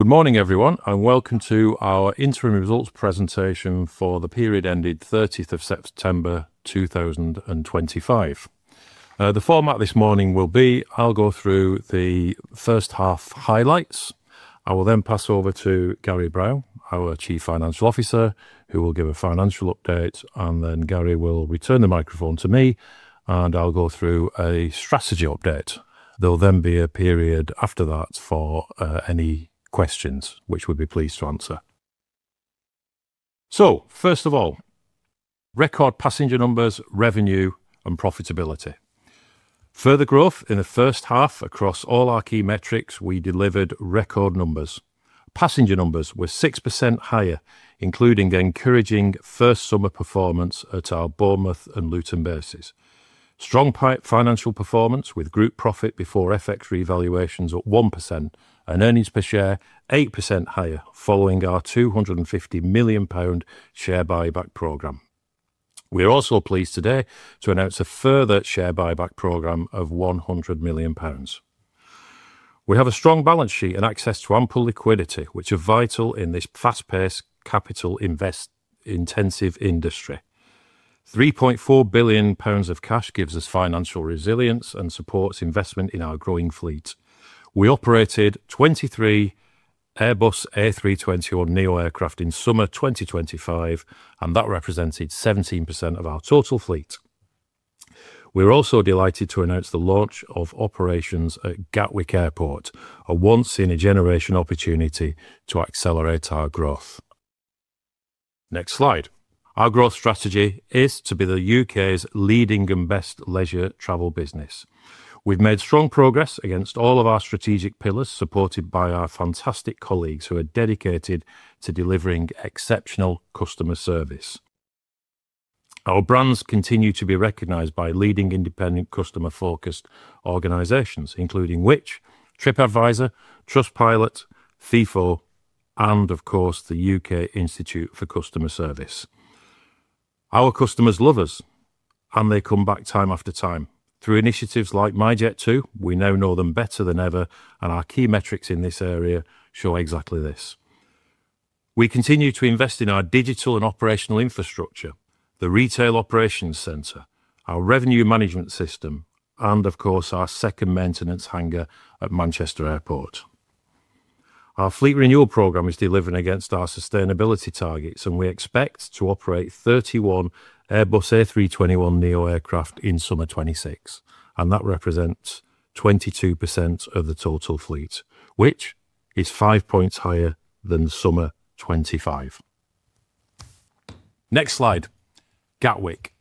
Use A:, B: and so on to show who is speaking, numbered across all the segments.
A: Good morning, everyone, and welcome to our Interim Results Presentation for the period ending 30th of September 2025. The format this morning will be: I'll go through the first half highlights. I will then pass over to Gary Brown, our Chief Financial Officer, who will give a financial update, and then Gary will return the microphone to me, and I'll go through a strategy update. There'll then be a period after that for any questions, which we'd be pleased to answer. First of all, record passenger numbers, revenue, and profitability. Further growth in the first half across all our key metrics, we delivered record numbers. Passenger numbers were 6% higher, including the encouraging first summer performance at our Bournemouth and Luton bases. Strong financial performance with group profit before FX revaluations at 1%, and earnings per share 8% higher following our 250 million pound share buyback program. We are also pleased today to announce a further share buyback program of 100 million pounds. We have a strong balance sheet and access to ample liquidity, which are vital in this fast-paced capital investment intensive industry. 3.4 billion pounds of cash gives us financial resilience and supports investment in our growing fleet. We operated 23 Airbus A320 or NEO aircraft in summer 2025, and that represented 17% of our total fleet. We are also delighted to announce the launch of operations at Gatwick Airport, a once-in-a-generation opportunity to accelerate our growth. Next slide. Our growth strategy is to be the U.K.'s leading and best leisure travel business. We have made strong progress against all of our strategic pillars, supported by our fantastic colleagues who are dedicated to delivering exceptional customer service. Our brands continue to be recognized by leading independent customer-focused organizations, including TripAdvisor, Trustpilot, FIFO, and of course, the U.K. Institute for Customer Service. Our customers love us, and they come back time after time. Through initiatives like myJet2, we now know them better than ever, and our key metrics in this area show exactly this. We continue to invest in our digital and operational infrastructure, the retail operations center, our revenue management system, and of course, our second maintenance hangar at Manchester Airport. Our fleet renewal program is delivering against our sustainability targets, and we expect to operate 31 Airbus A321neo aircraft in summer 2026, and that represents 22% of the total fleet, which is five percentage points higher than summer 2025. Next slide. Gatwick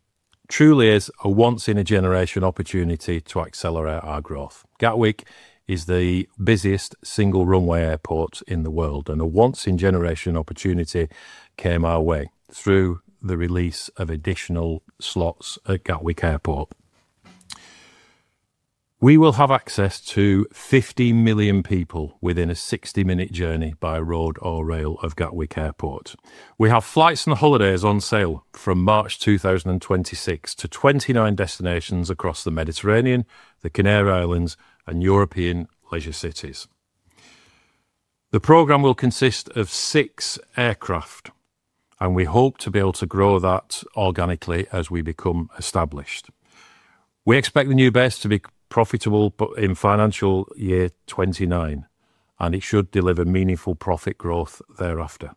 A: truly is a once-in-a-generation opportunity to accelerate our growth. Gatwick is the busiest single runway airport in the world, and a once-in-a-generation opportunity came our way through the release of additional slots at Gatwick Airport. We will have access to 15 million people within a 60-minute journey by road or rail of Gatwick Airport. We have flights and holidays on sale from March 2026 to 29 destinations across the Mediterranean, the Canary Islands, and European leisure cities. The program will consist of six aircraft, and we hope to be able to grow that organically as we become established. We expect the new base to be profitable in financial year 2029, and it should deliver meaningful profit growth thereafter.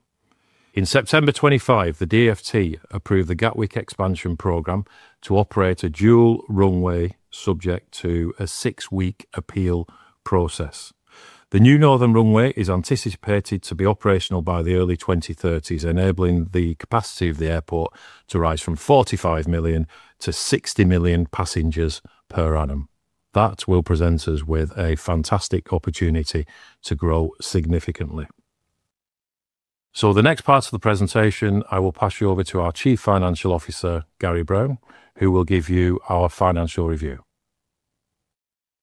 A: In September 2025, the DFT approved the Gatwick expansion program to operate a dual runway subject to a six-week appeal process. The new northern runway is anticipated to be operational by the early 2030s, enabling the capacity of the airport to rise from 45 million to 60 million passengers per annum. That will present us with a fantastic opportunity to grow significantly. The next part of the presentation, I will pass you over to our Chief Financial Officer, Gary Brown, who will give you our financial review.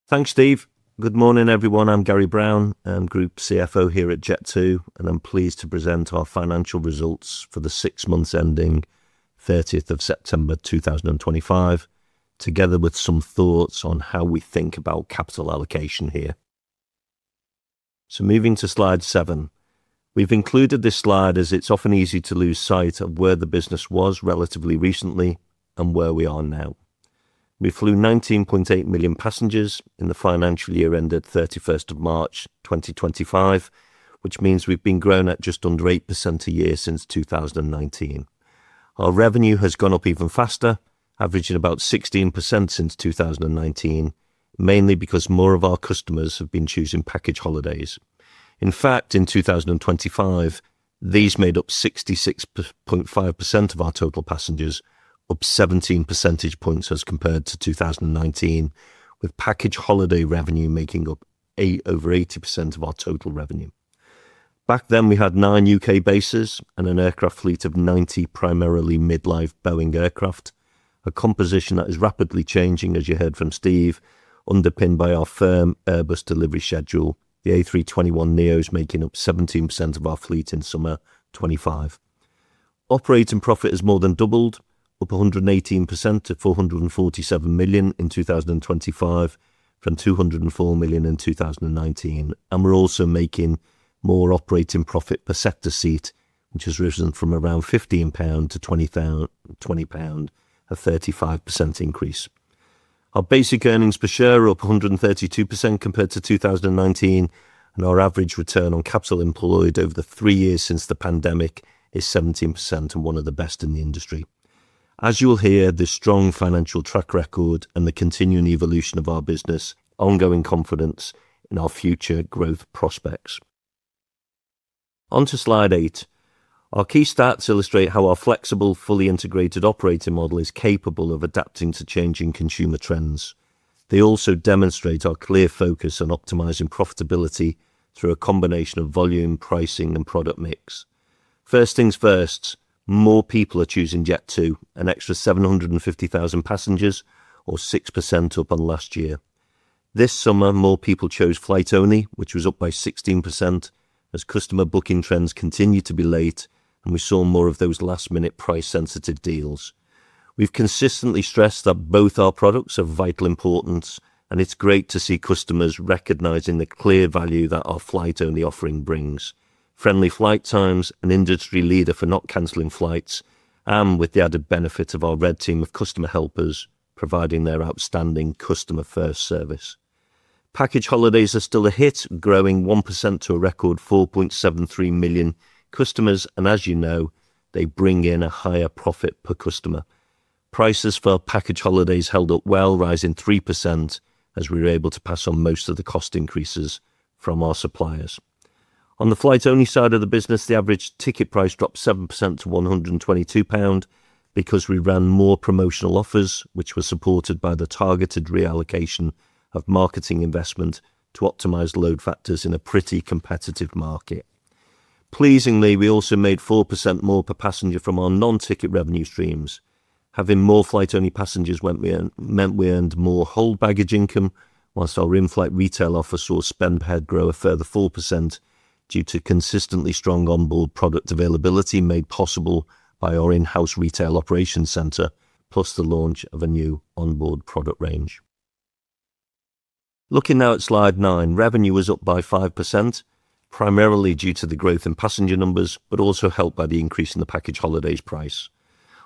B: Thanks, Steve. Good morning, everyone. I'm Gary Brown. I'm Group CFO here at Jet2, and I'm pleased to present our financial results for the six months ending 30th of September 2025, together with some thoughts on how we think about capital allocation here. Moving to slide seven, we've included this slide as it's often easy to lose sight of where the business was relatively recently and where we are now. We flew 19.8 million passengers in the financial year ended 31st of March 2025, which means we've been growing at just under 8% a year since 2019. Our revenue has gone up even faster, averaging about 16% since 2019, mainly because more of our customers have been choosing package holidays. In fact, in 2025, these made up 66.5% of our total passengers, up 17 percentage points as compared to 2019, with package holiday revenue making up over 80% of our total revenue. Back then, we had nine U.K. bases and an aircraft fleet of 90 primarily mid-life Boeing aircraft, a composition that is rapidly changing, as you heard from Steve, underpinned by our firm Airbus delivery schedule. The A321neo is making up 17% of our fleet in summer 2025. Operating profit has more than doubled, up 118% to 447 million in 2025 from 204 million in 2019. We are also making more operating profit per sector seat, which has risen from around 15 pound to 20 pound, a 35% increase. Our basic earnings per share are up 132% compared to 2019, and our average return on capital employed over the three years since the pandemic is 17% and one of the best in the industry. As you will hear, the strong financial track record and the continuing evolution of our business ongoing confidence in our future growth prospects. Onto slide eight. Our key stats illustrate how our flexible, fully integrated operating model is capable of adapting to changing consumer trends. They also demonstrate our clear focus on optimizing profitability through a combination of volume, pricing, and product mix. First things first, more people are choosing Jet2, an extra 750,000 passengers, or 6% up on last year. This summer, more people chose flight only, which was up by 16%, as customer booking trends continued to be late, and we saw more of those last-minute price-sensitive deals. We've consistently stressed that both our products are of vital importance, and it's great to see customers recognizing the clear value that our flight-only offering brings. Friendly flight times, an industry leader for not canceling flights, and with the added benefit of our Red Team of customer helpers providing their outstanding customer-first service. Package holidays are still a hit, growing 1% to a record 4.73 million customers, and as you know, they bring in a higher profit per customer. Prices for package holidays held up well, rising 3% as we were able to pass on most of the cost increases from our suppliers. On the flight-only side of the business, the average ticket price dropped 7% to 122 pound because we ran more promotional offers, which were supported by the targeted reallocation of marketing investment to optimize load factors in a pretty competitive market. Pleasingly, we also made 4% more per passenger from our non-ticket revenue streams. Having more flight-only passengers meant we earned more hold baggage income, whilst our inflight retail offers saw spend per head grow a further 4% due to consistently strong onboard product availability made possible by our in-house retail operations center, plus the launch of a new onboard product range. Looking now at slide nine, revenue was up by 5%, primarily due to the growth in passenger numbers, but also helped by the increase in the package holidays price.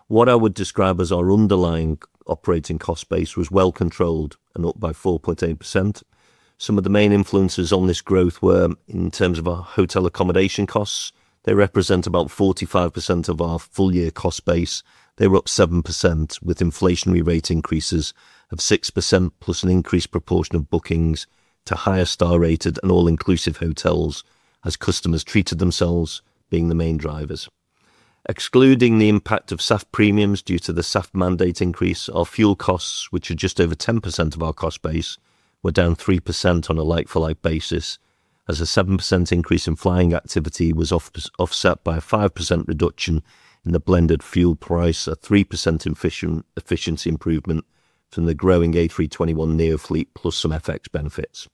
B: What I would describe as our underlying operating cost base was well controlled and up by 4.8%. Some of the main influences on this growth were in terms of our hotel accommodation costs. They represent about 45% of our full-year cost base. They were up 7% with inflationary rate increases of 6%, plus an increased proportion of bookings to higher star-rated and all-inclusive hotels, as customers treated themselves being the main drivers. Excluding the impact of SAF premiums due to the SAF mandate increase, our fuel costs, which are just over 10% of our cost base, were down 3% on a like-for-like basis, as a 7% increase in flying activity was offset by a 5% reduction in the blended fuel price, a 3% efficiency improvement from the growing A321neo fleet, plus some FX benefits.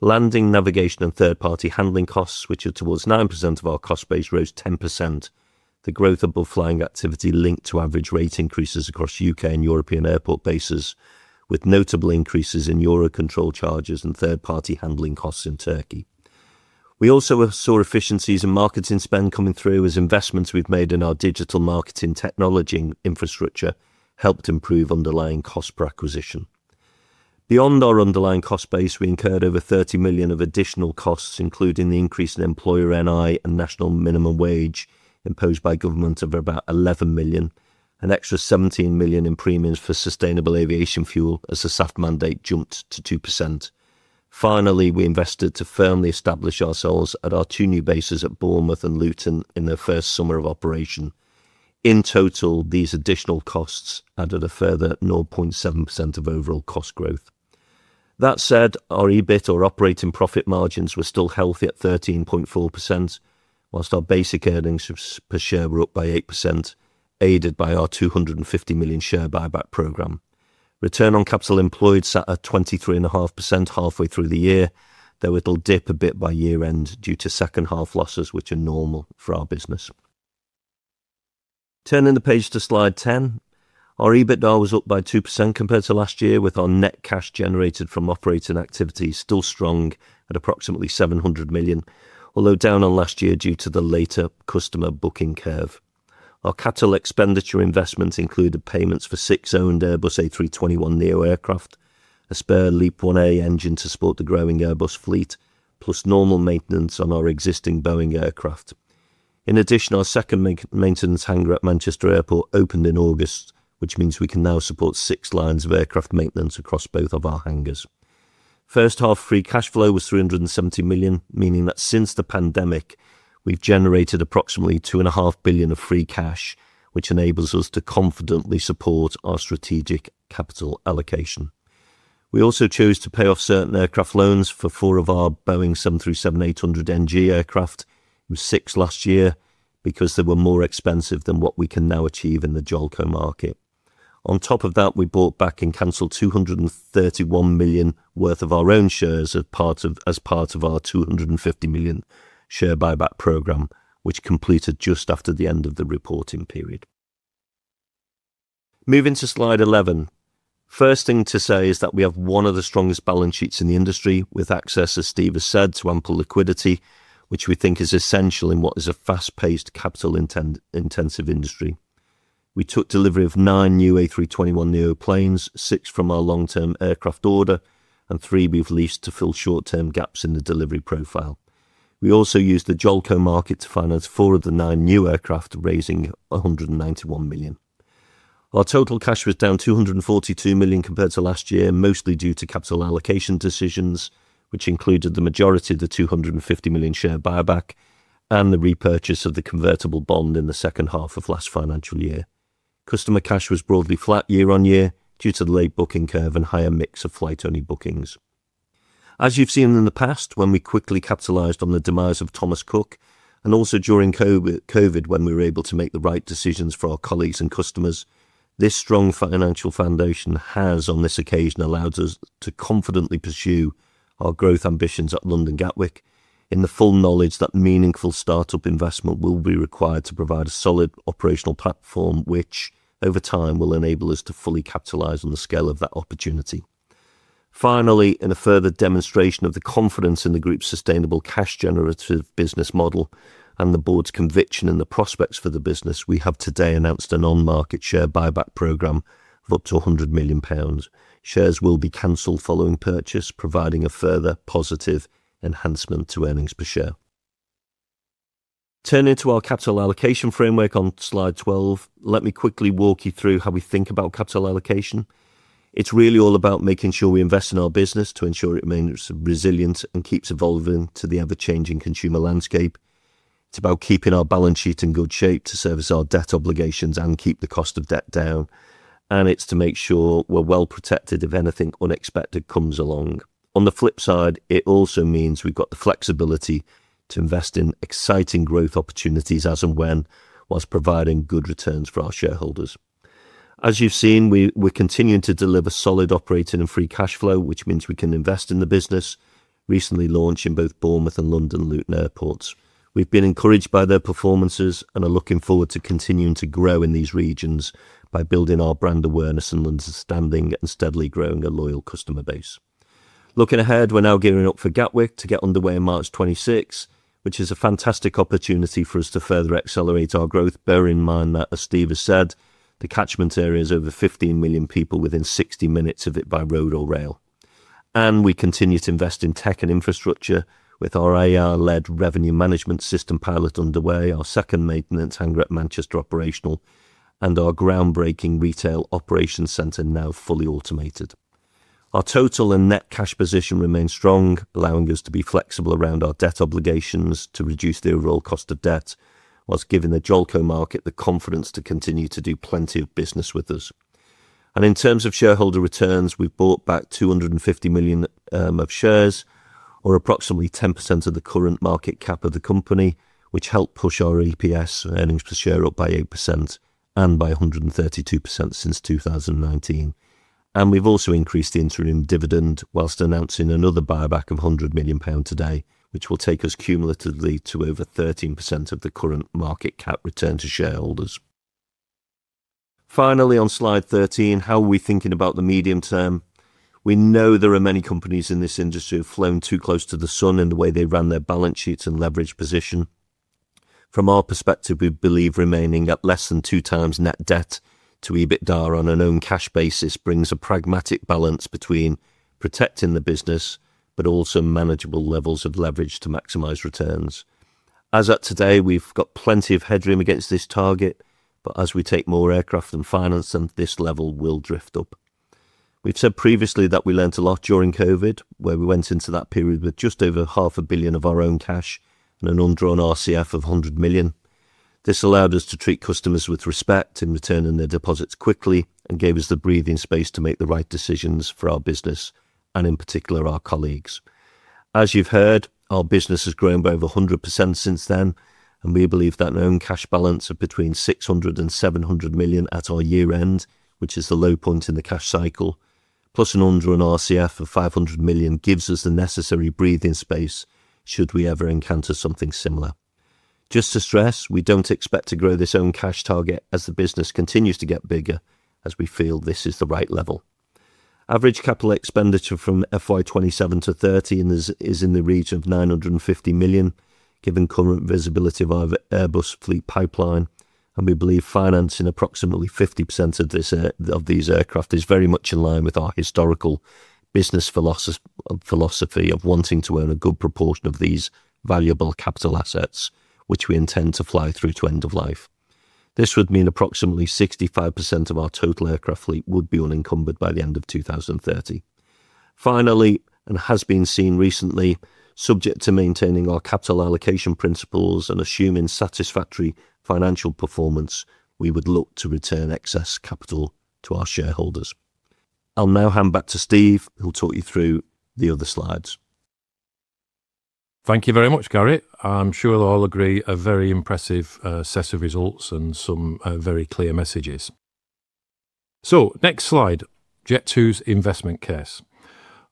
B: Landing, navigation, and third-party handling costs, which are towards 9% of our cost base, rose 10%. The growth of both flying activity linked to average rate increases across U.K. and European airport bases, with notable increases in Euro control charges and third-party handling costs in Turkey. We also saw efficiencies in marketing spend coming through, as investments we've made in our digital marketing technology infrastructure helped improve underlying cost per acquisition. Beyond our underlying cost base, we incurred over 30 million of additional costs, including the increase in employer NI and national minimum wage imposed by government of about 11 million, an extra 17 million in premiums for sustainable aviation fuel as the SAF mandate jumped to 2%. Finally, we invested to firmly establish ourselves at our two new bases at Bournemouth and Luton in the first summer of operation. In total, these additional costs added a further 0.7% of overall cost growth. That said, our EBIT, or operating profit margins, were still healthy at 13.4%, whilst our basic earnings per share were up by 8%, aided by our 250 million share buyback program. Return on capital employed sat at 23.5% halfway through the year, though it'll dip a bit by year-end due to second-half losses, which are normal for our business. Turning the page to slide 10, our EBITDA was up by 2% compared to last year, with our net cash generated from operating activity still strong at approximately 700 million, although down on last year due to the later customer booking curve. Our capital expenditure investments included payments for six owned Airbus A321neo aircraft, a spare LEAP-1A engine to support the growing Airbus fleet, plus normal maintenance on our existing Boeing aircraft. In addition, our second maintenance hangar at Manchester Airport opened in August, which means we can now support six lines of aircraft maintenance across both of our hangars. First half free cash flow was 370 million, meaning that since the pandemic, we've generated approximately 2.5 billion of free cash, which enables us to confidently support our strategic capital allocation. We also chose to pay off certain aircraft loans for four of our Boeing 737-800NG aircraft, six last year, because they were more expensive than what we can now achieve in the JOLCO market. On top of that, we bought back and canceled 231 million worth of our own shares as part of our 250 million share buyback program, which completed just after the end of the reporting period. Moving to slide 11, first thing to say is that we have one of the strongest balance sheets in the industry, with access, as Steve has said, to ample liquidity, which we think is essential in what is a fast-paced, capital-intensive industry. We took delivery of nine new A321neo planes, six from our long-term aircraft order, and three we have leased to fill short-term gaps in the delivery profile. We also used the JOLCO market to finance four of the nine new aircraft, raising 191 million. Our total cash was down 242 million compared to last year, mostly due to capital allocation decisions, which included the majority of the 250 million share buyback and the repurchase of the convertible bond in the second half of last financial year. Customer cash was broadly flat YoY due to the late booking curve and higher mix of flight-only bookings. As you've seen in the past, when we quickly capitalized on the demise of Thomas Cook, and also during COVID when we were able to make the right decisions for our colleagues and customers, this strong financial foundation has, on this occasion, allowed us to confidently pursue our growth ambitions at London Gatwick in the full knowledge that meaningful startup investment will be required to provide a solid operational platform, which over time will enable us to fully capitalize on the scale of that opportunity. Finally, in a further demonstration of the confidence in the group's sustainable cash generative business model and the board's conviction in the prospects for the business, we have today announced an on-market share buyback program of up to 100 million pounds. Shares will be canceled following purchase, providing a further positive enhancement to earnings per share. Turning to our capital allocation framework on slide 12, let me quickly walk you through how we think about capital allocation. It's really all about making sure we invest in our business to ensure it remains resilient and keeps evolving to the ever-changing consumer landscape. It's about keeping our balance sheet in good shape to service our debt obligations and keep the cost of debt down, and it's to make sure we're well protected if anything unexpected comes along. On the flip side, it also means we've got the flexibility to invest in exciting growth opportunities as and when, whilst providing good returns for our shareholders. As you've seen, we're continuing to deliver solid operating and free cash flow, which means we can invest in the business, recently launching both Bournemouth and London Luton airports. We've been encouraged by their performances and are looking forward to continuing to grow in these regions by building our brand awareness and understanding and steadily growing a loyal customer base. Looking ahead, we're now gearing up for Gatwick to get underway on March 2026, which is a fantastic opportunity for us to further accelerate our growth, bearing in mind that, as Steve has said, the catchment area is over 15 million people within 60 minutes of it by road or rail. We continue to invest in tech and infrastructure with our AR-led revenue management system pilot underway, our second maintenance hangar at Manchester operational, and our groundbreaking retail operations center now fully automated. Our total and net cash position remains strong, allowing us to be flexible around our debt obligations to reduce the overall cost of debt, whilst giving the JOLCO market the confidence to continue to do plenty of business with us. In terms of shareholder returns, we've bought back 250 million of shares, or approximately 10% of the current market cap of the company, which helped push our EPS earnings per share up by 8% and by 132% since 2019. We've also increased the interim dividend, whilst announcing another buyback of 100 million pound today, which will take us cumulatively to over 13% of the current market cap return to shareholders. Finally, on slide 13, how are we thinking about the medium term? We know there are many companies in this industry who have flown too close to the sun in the way they run their balance sheets and leverage position. From our perspective, we believe remaining at less than two times net debt to EBITDA on an own cash basis brings a pragmatic balance between protecting the business, but also manageable levels of leverage to maximize returns. As of today, we've got plenty of headroom against this target, but as we take more aircraft and finance, this level will drift up. We've said previously that we learned a lot during COVID, where we went into that period with just over $500,000 of our own cash and an undrawn RCF of 100 million. This allowed us to treat customers with respect in returning their deposits quickly and gave us the breathing space to make the right decisions for our business, and in particular, our colleagues. As you've heard, our business has grown by over 100% since then, and we believe that own cash balance of between 600 million and 700 million at our year-end, which is the low point in the cash cycle, plus an underwritten RCF of 500 million gives us the necessary breathing space should we ever encounter something similar. Just to stress, we don't expect to grow this own cash target as the business continues to get bigger, as we feel this is the right level. Average capital expenditure from FY 2027 to FY 2030 is in the region of 950 million, given current visibility of our Airbus fleet pipeline, and we believe financing approximately 50% of these aircraft is very much in line with our historical business philosophy of wanting to own a good proportion of these valuable capital assets, which we intend to fly through to end of life. This would mean approximately 65% of our total aircraft fleet would be unencumbered by the end of 2030. Finally, as has been seen recently, subject to maintaining our capital allocation principles and assuming satisfactory financial performance, we would look to return excess capital to our shareholders. I'll now hand back to Steve, who'll talk you through the other slides.
A: Thank you very much, Gary. I'm sure they'll all agree a very impressive set of results and some very clear messages. Next slide, Jet2's investment case.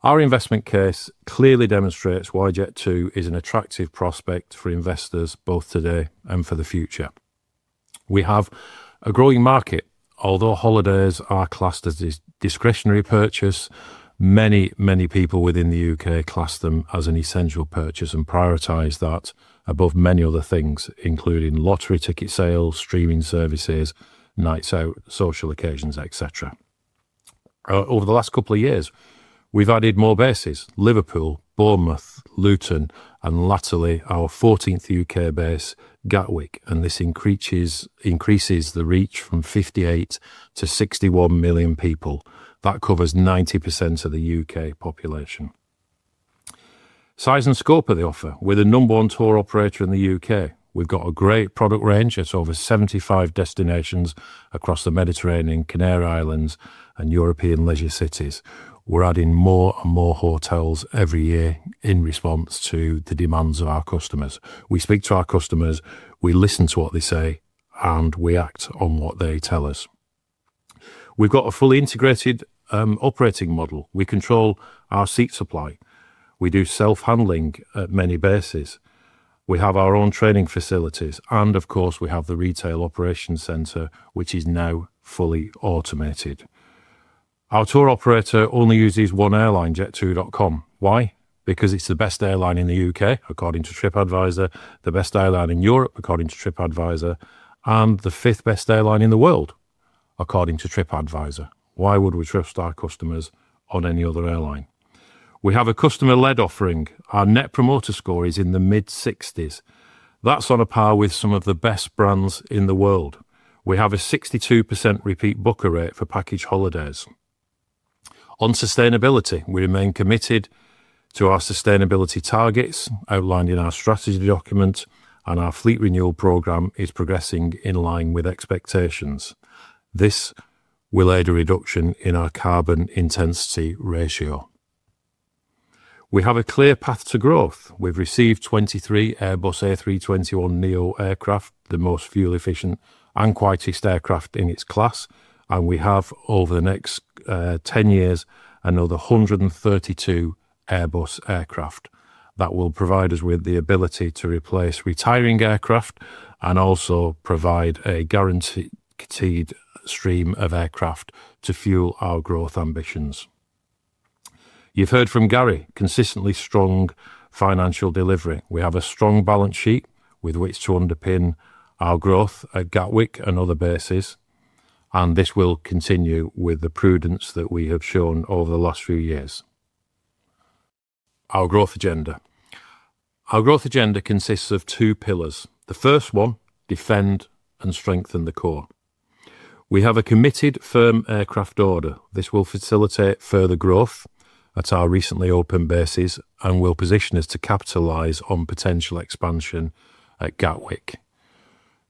A: Our investment case clearly demonstrates why Jet2 is an attractive prospect for investors, both today and for the future. We have a growing market. Although holidays are classed as a discretionary purchase, many, many people within the U.K. class them as an essential purchase and prioritize that above many other things, including lottery ticket sales, streaming services, nights out, social occasions, etc. Over the last couple of years, we've added more bases: Liverpool, Bournemouth, Luton, and laterally our 14th U.K. base, Gatwick, and this increases the reach from 58 to 61 million people. That covers 90% of the U.K. population. Size and scope of the offer. We're the number one tour operator in the U.K. We've got a great product range. It's over 75 destinations across the Mediterranean, Canary Islands, and European leisure cities. We're adding more and more hotels every year in response to the demands of our customers. We speak to our customers, we listen to what they say, and we act on what they tell us. We've got a fully integrated operating model. We control our seat supply. We do self-handling at many bases. We have our own training facilities, and of course, we have the retail operations center, which is now fully automated. Our tour operator only uses one airline, jet2.com. Why? Because it's the best airline in the U.K., according to TripAdvisor, the best airline in Europe, according to TripAdvisor, and the fifth best airline in the world, according to TripAdvisor. Why would we trust our customers on any other airline? We have a customer-led offering. Our Net Promoter Score is in the mid-60s. That's on a par with some of the best brands in the world. We have a 62% repeat booker rate for package holidays. On sustainability, we remain committed to our sustainability targets outlined in our strategy document, and our fleet renewal program is progressing in line with expectations. This will aid a reduction in our carbon intensity ratio. We have a clear path to growth. We've received 23 Airbus A321neo aircraft, the most fuel-efficient and quietest aircraft in its class, and we have, over the next 10 years, another 132 Airbus aircraft that will provide us with the ability to replace retiring aircraft and also provide a guaranteed stream of aircraft to fuel our growth ambitions. You've heard from Gary, consistently strong financial delivery. We have a strong balance sheet with which to underpin our growth at Gatwick and other bases, and this will continue with the prudence that we have shown over the last few years. Our growth agenda. Our growth agenda consists of two pillars. The first one, defend and strengthen the core. We have a committed firm aircraft order. This will facilitate further growth at our recently opened bases and will position us to capitalize on potential expansion at Gatwick.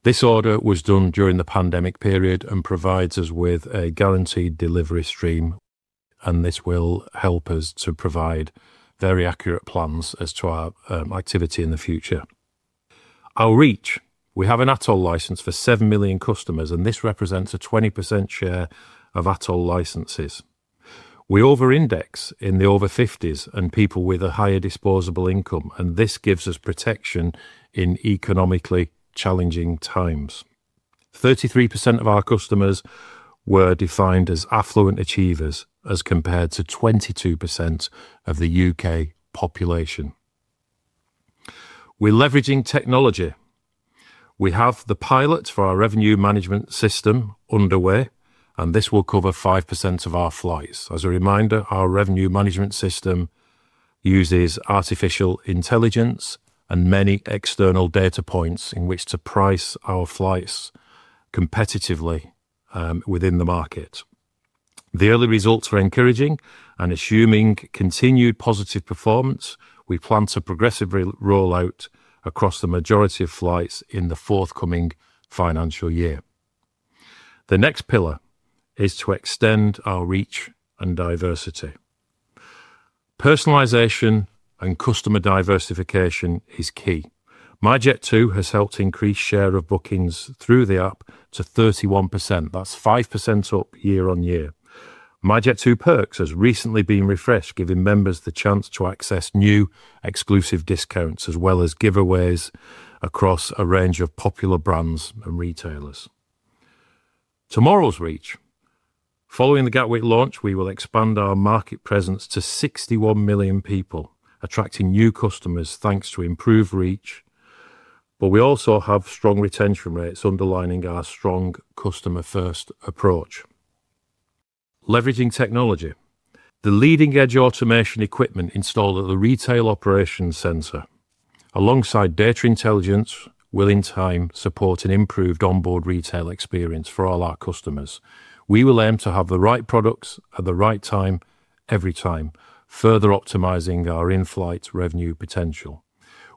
A: This order was done during the pandemic period and provides us with a guaranteed delivery stream, and this will help us to provide very accurate plans as to our activity in the future. Our reach. We have an ATOL license for 7 million customers, and this represents a 20% share of ATOL licenses. We over-index in the over-50s and people with a higher disposable income, and this gives us protection in economically challenging times. 33% of our customers were defined as affluent achievers as compared to 22% of the U.K. population. We're leveraging technology. We have the pilot for our revenue management system underway, and this will cover 5% of our flights. As a reminder, our revenue management system uses artificial intelligence and many external data points in which to price our flights competitively within the market. The early results are encouraging, and assuming continued positive performance, we plan to progressively roll out across the majority of flights in the forthcoming financial year. The next pillar is to extend our reach and diversity. Personalization and customer diversification is key. MyJet2 has helped increase share of bookings through the app to 31%. That's 5% up YoY. MyJet2Perks has recently been refreshed, giving members the chance to access new exclusive discounts as well as giveaways across a range of popular brands and retailers. Tomorrow's reach. Following the Gatwick launch, we will expand our market presence to 61 million people, attracting new customers thanks to improved reach, but we also have strong retention rates underlining our strong customer-first approach. Leveraging technology. The leading-edge automation equipment installed at the retail operations center. Alongside data intelligence, we'll, in time, support an improved onboard retail experience for all our customers. We will aim to have the right products at the right time, every time, further optimizing our in-flight revenue potential.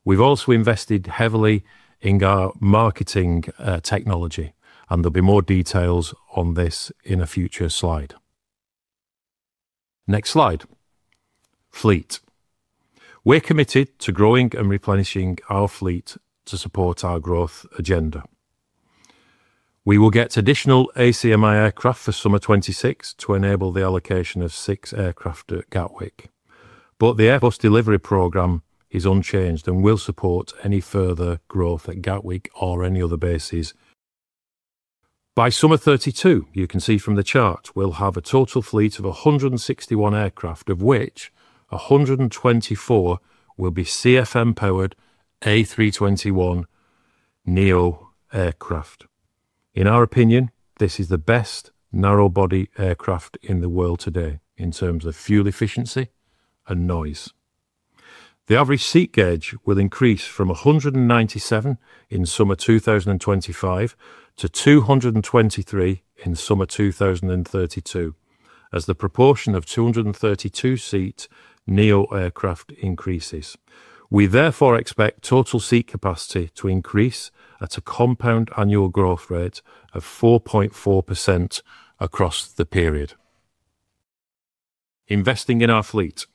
A: We've also invested heavily in our marketing technology, and there'll be more details on this in a future slide. Next slide. Fleet. We're committed to growing and replenishing our fleet to support our growth agenda. We will get additional ACMI aircraft for summer 2026 to enable the allocation of six aircraft at Gatwick, but the Airbus delivery program is unchanged and will support any further growth at Gatwick or any other bases. By summer 2032, you can see from the chart, we'll have a total fleet of 161 aircraft, of which 124 will be CFM-powered A321neo aircraft. In our opinion, this is the best narrow-body aircraft in the world today in terms of fuel efficiency and noise. The average seat gauge will increase from 197 in summer 2025 to 223 in summer 2032, as the proportion of 232 seat NEO aircraft increases. We therefore expect total seat capacity to increase at a compound annual growth rate of 4.4% across the period. Investing in our fleet.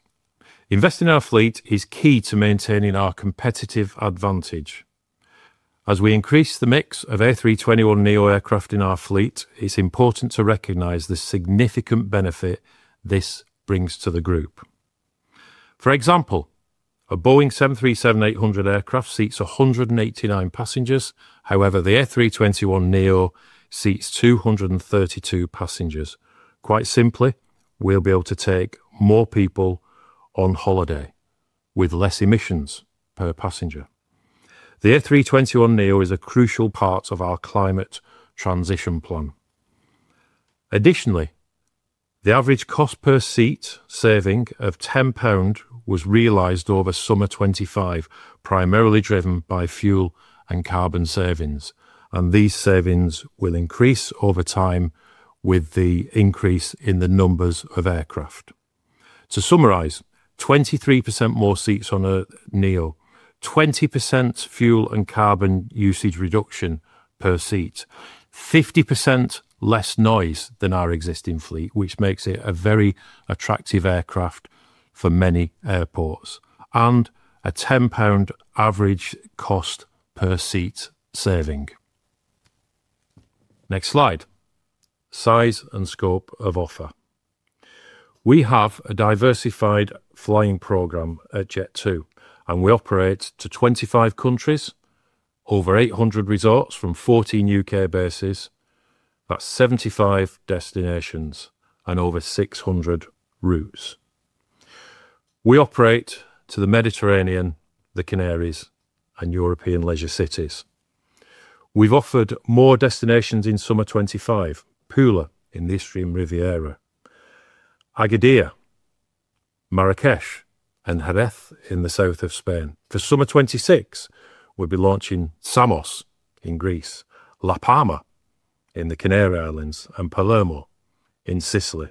A: Investing in our fleet is key to maintaining our competitive advantage. As we increase the mix of A321neo aircraft in our fleet, it's important to recognize the significant benefit this brings to the group. For example, a Boeing 737-800 aircraft seats 189 passengers; however, the A321neo seats 232 passengers. Quite simply, we'll be able to take more people on holiday with less emissions per passenger. The A321neo is a crucial part of our climate transition plan. Additionally, the average cost per seat saving of 10 pound was realized over summer 2025, primarily driven by fuel and carbon savings, and these savings will increase over time with the increase in the numbers of aircraft. To summarize, 23% more seats on a NEO, 20% fuel and carbon usage reduction per seat, 50% less noise than our existing fleet, which makes it a very attractive aircraft for many airports, and a 10 pound average cost per seat saving. Next slide. Size and scope of offer. We have a diversified flying program at Jet2, and we operate to 25 countries, over 800 resorts from 14 U.K. bases, that's 75 destinations and over 600 routes. We operate to the Mediterranean, the Canary Islands, and European leisure cities. We've offered more destinations in summer 2025, Pula in the Istrian Riviera, Agadir, Marrakech, and Jerez in the south of Spain. For summer 2026, we'll be launching Samos in Greece, La Palma in the Canary Islands, and Palermo in Sicily.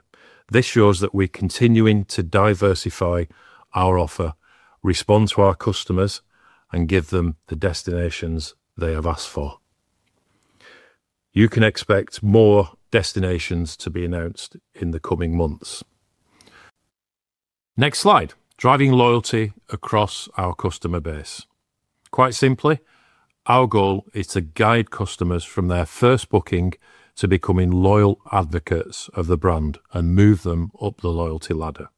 A: This shows that we're continuing to diversify our offer, respond to our customers, and give them the destinations they have asked for. You can expect more destinations to be announced in the coming months. Next slide. Driving loyalty across our customer base. Quite simply, our goal is to guide customers from their first booking to becoming loyal advocates of the brand and move them up the loyalty ladder.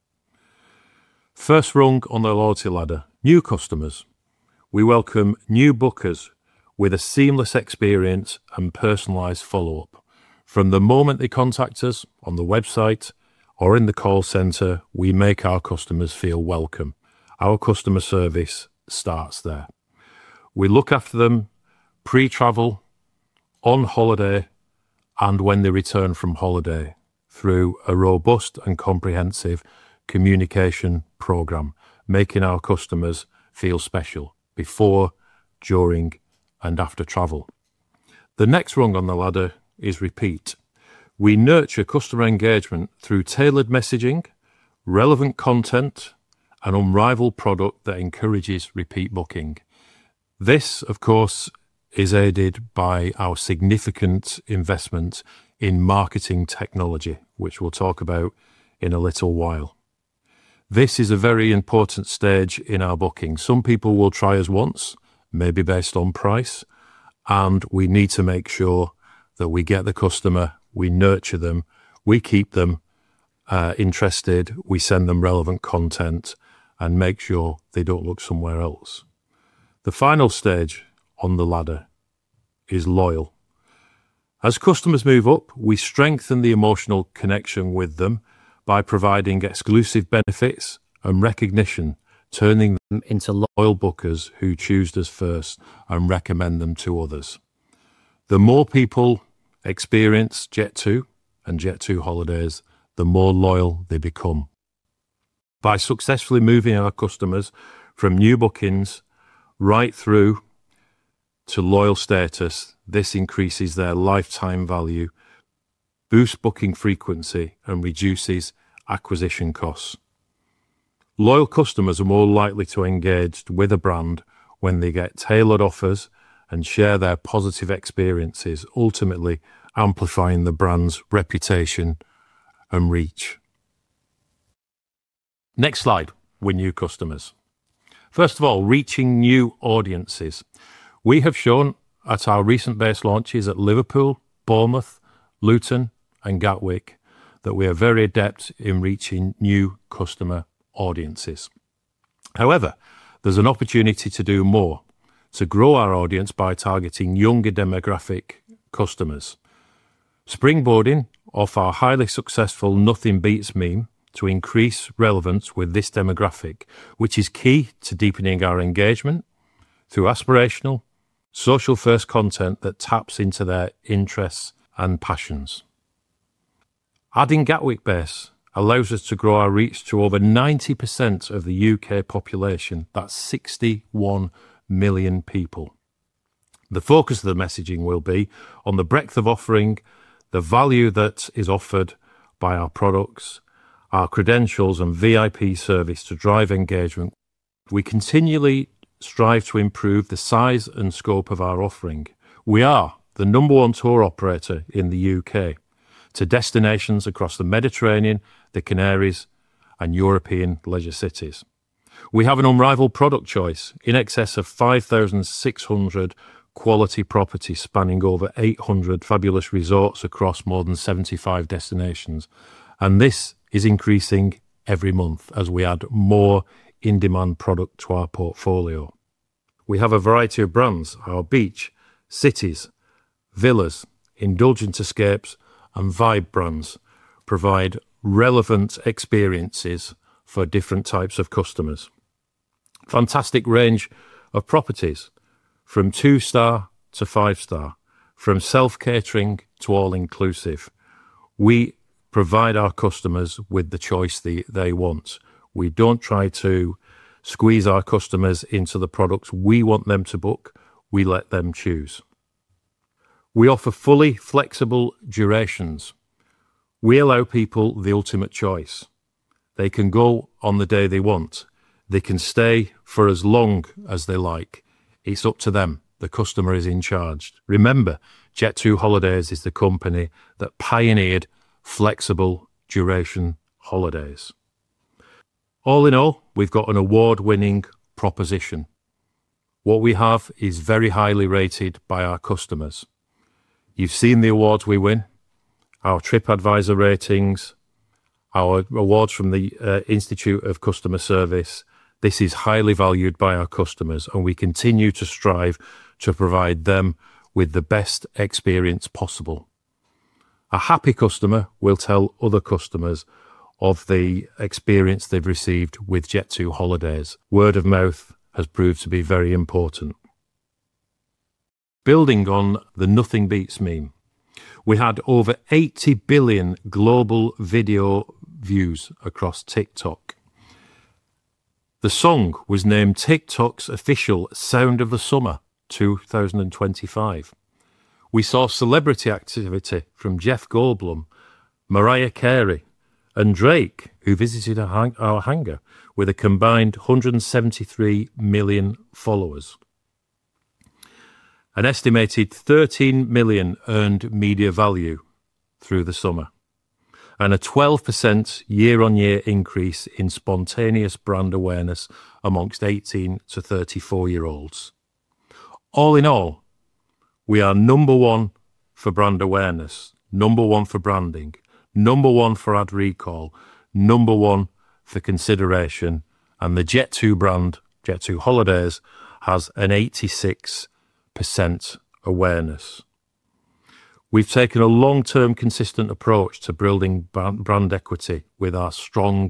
A: First rung on the loyalty ladder, new customers. We welcome new bookers with a seamless experience and personalized follow-up. From the moment they contact us on the website or in the call center, we make our customers feel welcome. Our customer service starts there. We look after them pre-travel, on holiday, and when they return from holiday through a robust and comprehensive communication program, making our customers feel special before, during, and after travel. The next rung on the ladder is repeat. We nurture customer engagement through tailored messaging, relevant content, and unrivaled product that encourages repeat booking. This, of course, is aided by our significant investment in marketing technology, which we'll talk about in a little while. This is a very important stage in our booking. Some people will try us once, maybe based on price, and we need to make sure that we get the customer, we nurture them, we keep them interested, we send them relevant content, and make sure they don't look somewhere else. The final stage on the ladder is loyal. As customers move up, we strengthen the emotional connection with them by providing exclusive benefits and recognition, turning them into loyal bookers who choose us first and recommend them to others. The more people experience Jet2 and Jet2holidays, the more loyal they become. By successfully moving our customers from new bookings right through to loyal status, this increases their lifetime value, boosts booking frequency, and reduces acquisition costs. Loyal customers are more likely to engage with a brand when they get tailored offers and share their positive experiences, ultimately amplifying the brand's reputation and reach. Next slide. With new customers. First of all, reaching new audiences. We have shown at our recent base launches at Liverpool, Bournemouth, Luton, and Gatwick that we are very adept in reaching new customer audiences. However, there's an opportunity to do more, to grow our audience by targeting younger demographic customers. Springboarding off our highly successful nothing beats meme to increase relevance with this demographic, which is key to deepening our engagement through aspirational, social-first content that taps into their interests and passions. Adding Gatwick base allows us to grow our reach to over 90% of the U.K. population, that's 61 million people. The focus of the messaging will be on the breadth of offering, the value that is offered by our products, our credentials, and VIP service to drive engagement. We continually strive to improve the size and scope of our offering. We are the number one tour operator in the U.K. to destinations across the Mediterranean, the Canaries, and European leisure cities. We have an unrivaled product choice, in excess of 5,600 quality properties spanning over 800 fabulous resorts across more than 75 destinations, and this is increasing every month as we add more in-demand product to our portfolio. We have a variety of brands. Our beach, cities, villas, indulgence escapes, and vibe brands provide relevant experiences for different types of customers. Fantastic range of properties from two-star to five-star, from self-catering to all-inclusive. We provide our customers with the choice they want. We do not try to squeeze our customers into the products we want them to book; we let them choose. We offer fully flexible durations. We allow people the ultimate choice. They can go on the day they want. They can stay for as long as they like. It is up to them. The customer is in charge. Remember, Jet2holidays is the company that pioneered flexible duration holidays. All in all, we have got an award-winning proposition. What we have is very highly rated by our customers. You have seen the awards we win, our TripAdvisor ratings, our awards from the Institute of Customer Service. This is highly valued by our customers, and we continue to strive to provide them with the best experience possible. A happy customer will tell other customers of the experience they've received with Jet2holidays. Word of mouth has proved to be very important. Building on the nothing beats meme, we had over 80 billion global video views across TikTok. The song was named TikTok's official Sound of the Summer 2025. We saw celebrity activity from Jeff Goldblum, Mariah Carey, and Drake, who visited our hangar with a combined 173 million followers. An estimated 13 million earned media value through the summer and a 12% year-on-year increase in spontaneous brand awareness amongst 18 to 34-year-olds. All in all, we are number one for brand awareness, number one for branding, number one for ad recall, number one for consideration, and the Jet2 brand, Jet2holidays, has an 86% awareness. We've taken a long-term consistent approach to building brand equity with our strong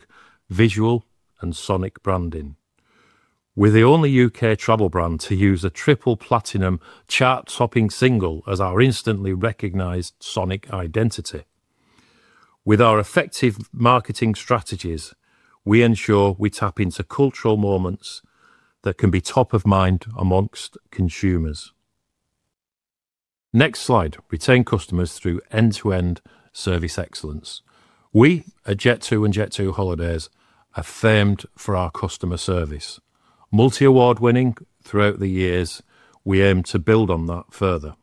A: visual and sonic branding. We're the only U.K. travel brand to use a triple platinum chart-topping single as our instantly recognized sonic identity. With our effective marketing strategies, we ensure we tap into cultural moments that can be top of mind amongst consumers. Next slide. Retain customers through end-to-end service excellence. We, at Jet2 and Jet2holidays, are famed for our customer service. Multi-award-winning throughout the years, we aim to build on that further.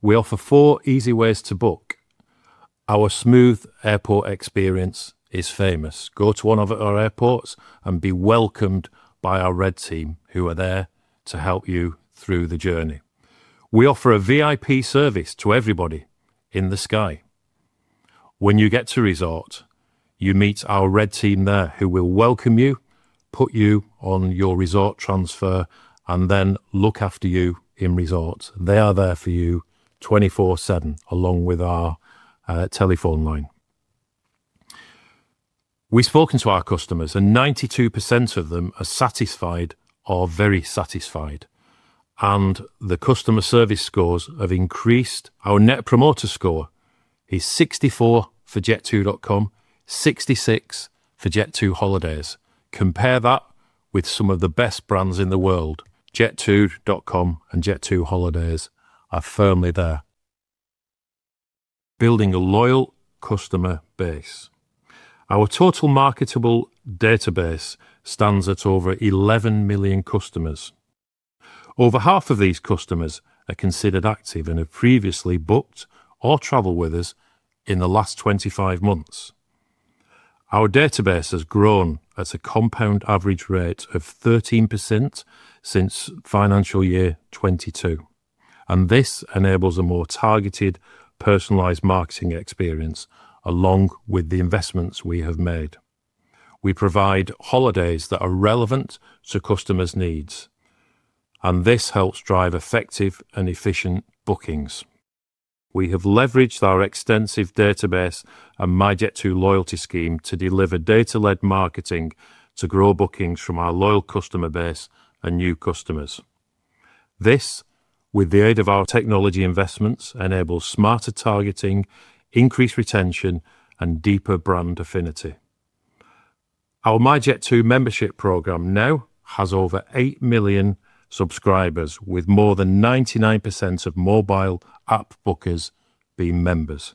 A: We offer four easy ways to book. Our smooth airport experience is famous. Go to one of our airports and be welcomed by our Red Team who are there to help you through the journey. We offer a VIP service to everybody in the sky. When you get to resort, you meet our Red Team there who will welcome you, put you on your resort transfer, and then look after you in resort. They are there for you 24/7 along with our telephone line. We've spoken to our customers, and 92% of them are satisfied or very satisfied, and the customer service scores have increased. Our Net Promoter Score is 64 for jet2.com, 66 for Jet2holidays. Compare that with some of the best brands in the world. Jet2.com and Jet2holidays are firmly there. Building a loyal customer base. Our total marketable database stands at over 11 million customers. Over half of these customers are considered active and have previously booked or traveled with us in the last 25 months. Our database has grown at a compound average rate of 13% since financial year 2022, and this enables a more targeted, personalized marketing experience along with the investments we have made. We provide holidays that are relevant to customers' needs, and this helps drive effective and efficient bookings. We have leveraged our extensive database and myJet2 loyalty scheme to deliver data-led marketing to grow bookings from our loyal customer base and new customers. This, with the aid of our technology investments, enables smarter targeting, increased retention, and deeper brand affinity. Our myJet2 membership program now has over 8 million subscribers, with more than 99% of mobile app bookers being members.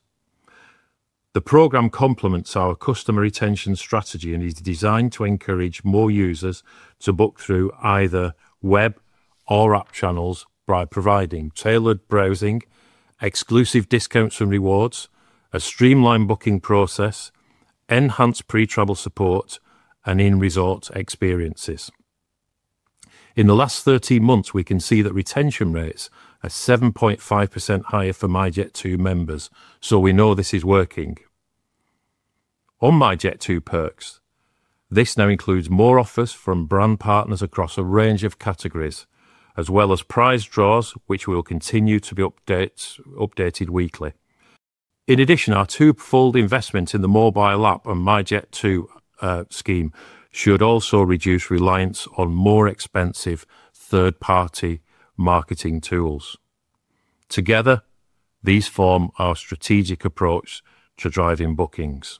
A: The program complements our customer retention strategy and is designed to encourage more users to book through either web or app channels by providing tailored browsing, exclusive discounts and rewards, a streamlined booking process, enhanced pre-travel support, and in-resort experiences. In the last 13 months, we can see that retention rates are 7.5% higher for myJet2 members, so we know this is working. On myJet2Perks, this now includes more offers from brand partners across a range of categories, as well as prize draws, which will continue to be updated weekly. In addition, our two-fold investment in the mobile app and myJet2 scheme should also reduce reliance on more expensive third-party marketing tools. Together, these form our strategic approach to driving bookings.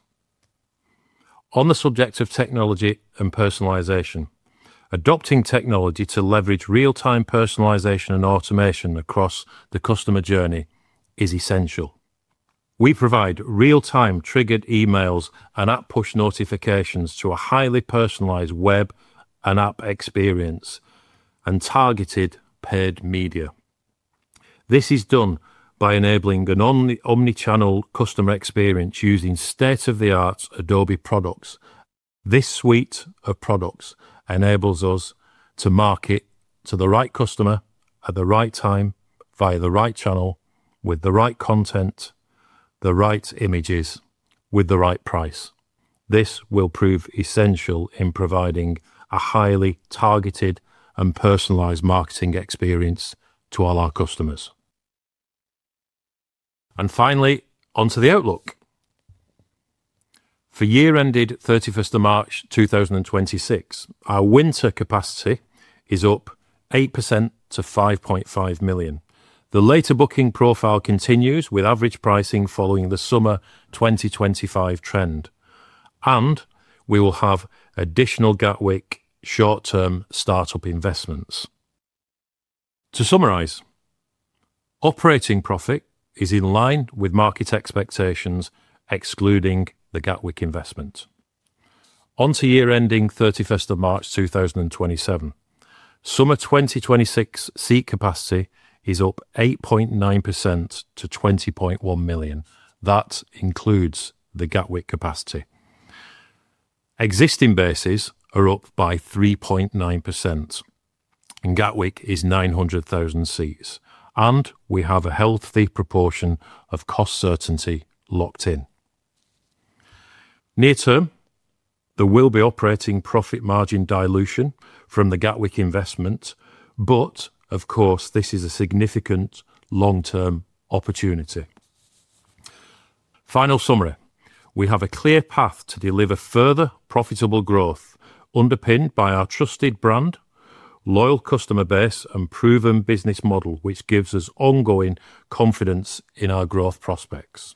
A: On the subject of technology and personalization, adopting technology to leverage real-time personalization and automation across the customer journey is essential. We provide real-time triggered emails and app push notifications to a highly personalized web and app experience and targeted paid media. This is done by enabling an omnichannel customer experience using state-of-the-art Adobe products. This suite of products enables us to market to the right customer at the right time via the right channel, with the right content, the right images, with the right price. This will prove essential in providing a highly targeted and personalized marketing experience to all our customers. Finally, onto the outlook. For year-ended 31st of March 2026, our winter capacity is up 8% to 5.5 million. The later booking profile continues with average pricing following the summer 2025 trend, and we will have additional Gatwick short-term startup investments. To summarize, operating profit is in line with market expectations, excluding the Gatwick investment. Onto year-ending 31st of March 2027, summer 2026 seat capacity is up 8.9% to 20.1 million. That includes the Gatwick capacity. Existing bases are up by 3.9%, and Gatwick is 900,000 seats, and we have a healthy proportion of cost certainty locked in. Near term, there will be operating profit margin dilution from the Gatwick investment, but of course, this is a significant long-term opportunity. Final summary, we have a clear path to deliver further profitable growth underpinned by our trusted brand, loyal customer base, and proven business model, which gives us ongoing confidence in our growth prospects.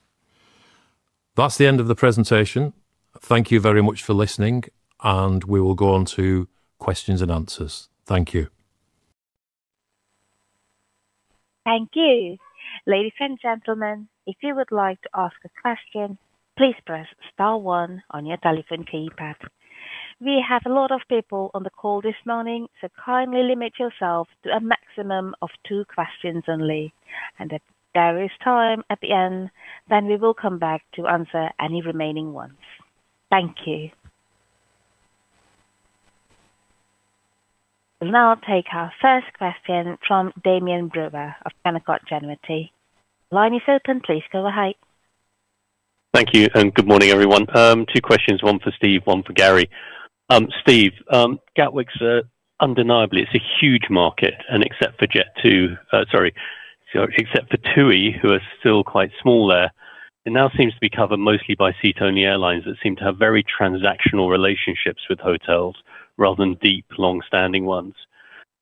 A: That's the end of the presentation. Thank you very much for listening, and we will go on to questions and answers.
C: Thank you. Ladies and gentlemen, if you would like to ask a question, please press star one on your telephone keypad. We have a lot of people on the call this morning, so kindly limit yourself to a maximum of two questions only, and if there is time at the end, then we will come back to answer any remaining ones. Thank you. We'll now take our first question from Damian Brewer of Canaccord Genuity. Line is open, please go ahead.
D: Thank you, and good morning everyone. Two questions, one for Steve, one for Gary. Steve, Gatwick's undeniably, it's a huge market, and except for Jet2, sorry, except for TUI, who are still quite small there, it now seems to be covered mostly by seat-only airlines that seem to have very transactional relationships with hotels rather than deep, long-standing ones.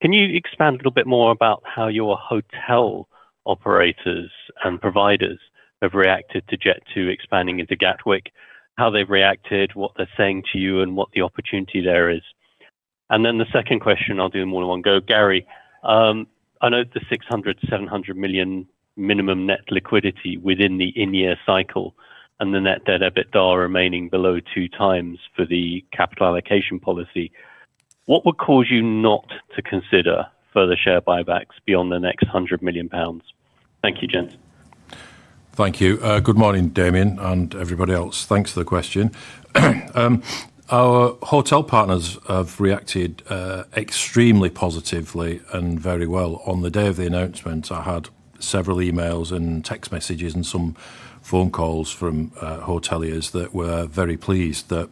D: Can you expand a little bit more about how your hotel operators and providers have reacted to Jet2 expanding into Gatwick, how they've reacted, what they're saying to you, and what the opportunity there is? And then the second question, I'll do them all in one go. Gary, I know the 600-700 million minimum net liquidity within the in-year cycle and the net debt EBITDA remaining below two times for the capital allocation policy. What would cause you not to consider further share buybacks beyond the next 100 million pounds? Thank you, gents.
A: Thank you. Good morning, Damian and everybody else. Thanks for the question. Our hotel partners have reacted extremely positively and very well. On the day of the announcement, I had several emails and text messages and some phone calls from hoteliers that were very pleased that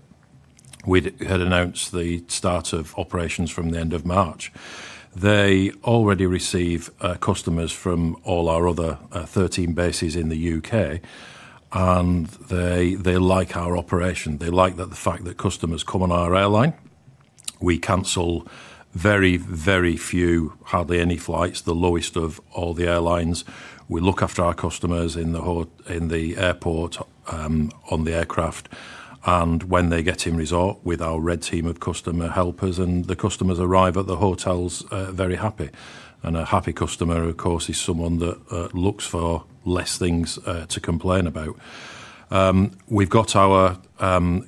A: we had announced the start of operations from the end of March. They already receive customers from all our other 13 bases in the U.K., and they like our operation. They like the fact that customers come on our airline. We cancel very, very few, hardly any flights, the lowest of all the airlines. We look after our customers in the airport, on the aircraft, and when they get in resort with our Red Team of customer helpers, the customers arrive at the hotels very happy. A happy customer, of course, is someone that looks for less things to complain about. We have got our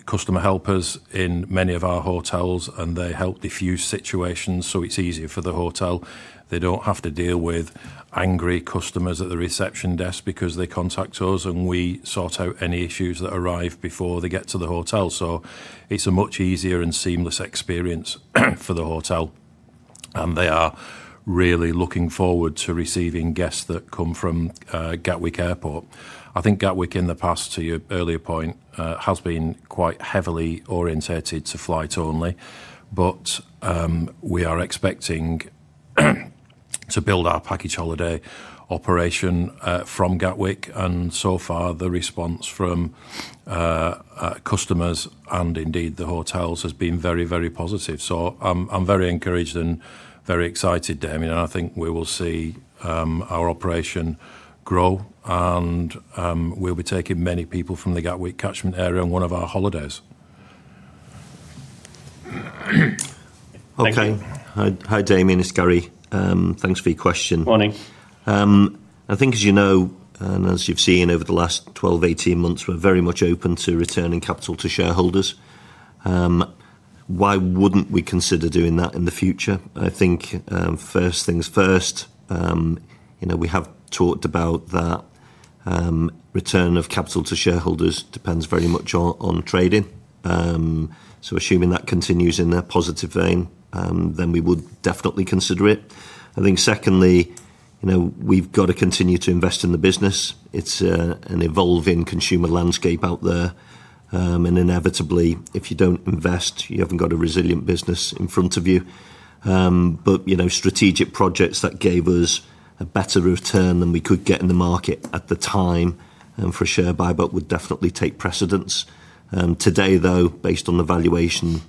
A: customer helpers in many of our hotels, and they help diffuse situations so it is easier for the hotel. They do not have to deal with angry customers at the reception desk because they contact us, and we sort out any issues that arrive before they get to the hotel. It is a much easier and seamless experience for the hotel, and they are really looking forward to receiving guests that come from Gatwick Airport. I think Gatwick, in the past, to your earlier point, has been quite heavily orientated to flight only, but we are expecting to build our package holiday operation from Gatwick, and so far, the response from customers and indeed the hotels has been very, very positive. I am very encouraged and very excited, Damian, and I think we will see our operation grow, and we will be taking many people from the Gatwick catchment area on one of our holidays.
B: Hi, Damian. It's Gary. Thanks for your question.
D: Morning.
B: I think, as you know, and as you've seen over the last 12-18 months, we are very much open to returning capital to shareholders. Why wouldn't we consider doing that in the future? I think, first things first, we have talked about that return of capital to shareholders depends very much on trading. Assuming that continues in a positive vein, then we would definitely consider it. I think, secondly, we have to continue to invest in the business. It is an evolving consumer landscape out there, and inevitably, if you do not invest, you have not got a resilient business in front of you. Strategic projects that gave us a better return than we could get in the market at the time for share buyback would definitely take precedence. Today, though, based on the valuation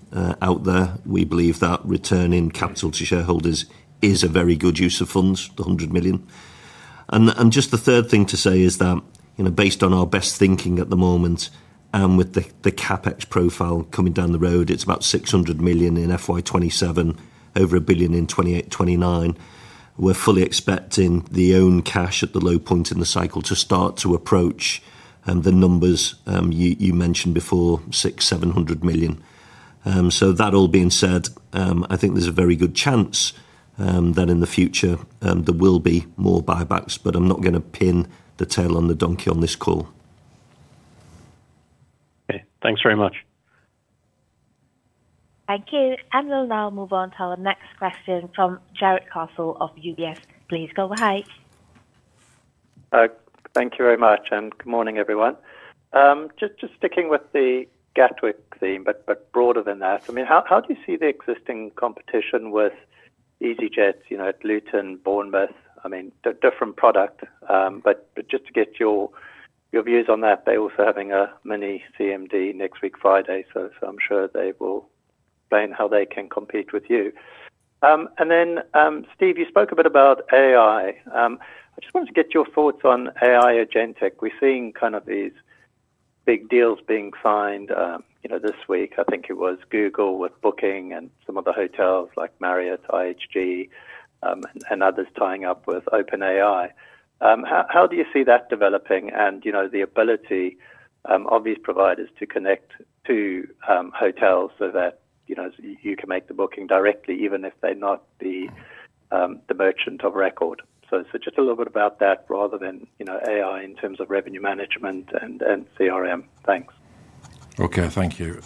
B: out there, we believe that returning capital to shareholders is a very good use of funds, the 100 million. Just the third thing to say is that, based on our best thinking at the moment and with the CapEx profile coming down the road, it is about 600 million in FY 2027, over 1 billion in FY 2028, FY 2029. We're fully expecting the own cash at the low point in the cycle to start to approach the numbers you mentioned before, 600 million-700 million. That all being said, I think there's a very good chance that in the future there will be more buybacks, but I'm not going to pin the tail on the donkey on this call.
D: Okay. Thanks very much.
C: Thank you. We'll now move on to our next question from Jarrod Castle of UBS. Please go ahead.
E: Thank you very much, and good morning, everyone. Just sticking with the Gatwick theme, but broader than that, I mean, how do you see the existing competition with EasyJet at Luton, Bournemouth? I mean, different product, but just to get your views on that, they're also having a mini CMD next week, Friday, so I'm sure they will explain how they can compete with you. And then, Steve, you spoke a bit about AI. I just wanted to get your thoughts on AI agentic. We're seeing kind of these big deals being signed this week. I think it was Google with Booking and some of the hotels like Marriott, IHG, and others tying up with OpenAI. How do you see that developing and the ability of these providers to connect to hotels so that you can make the booking directly, even if they're not the merchant of record? So just a little bit about that rather than AI in terms of revenue management and CRM. Thanks.
A: Okay. Thank you.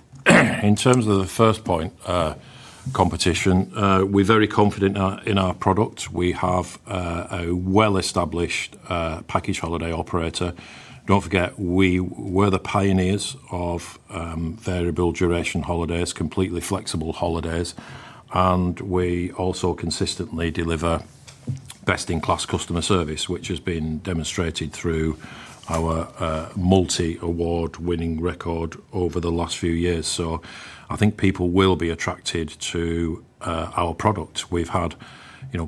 A: In terms of the first point, competition, we're very confident in our product. We have a well-established package holiday operator. Don't forget, we were the pioneers of variable duration holidays, completely flexible holidays, and we also consistently deliver best-in-class customer service, which has been demonstrated through our multi-award winning record over the last few years. I think people will be attracted to our product. We've had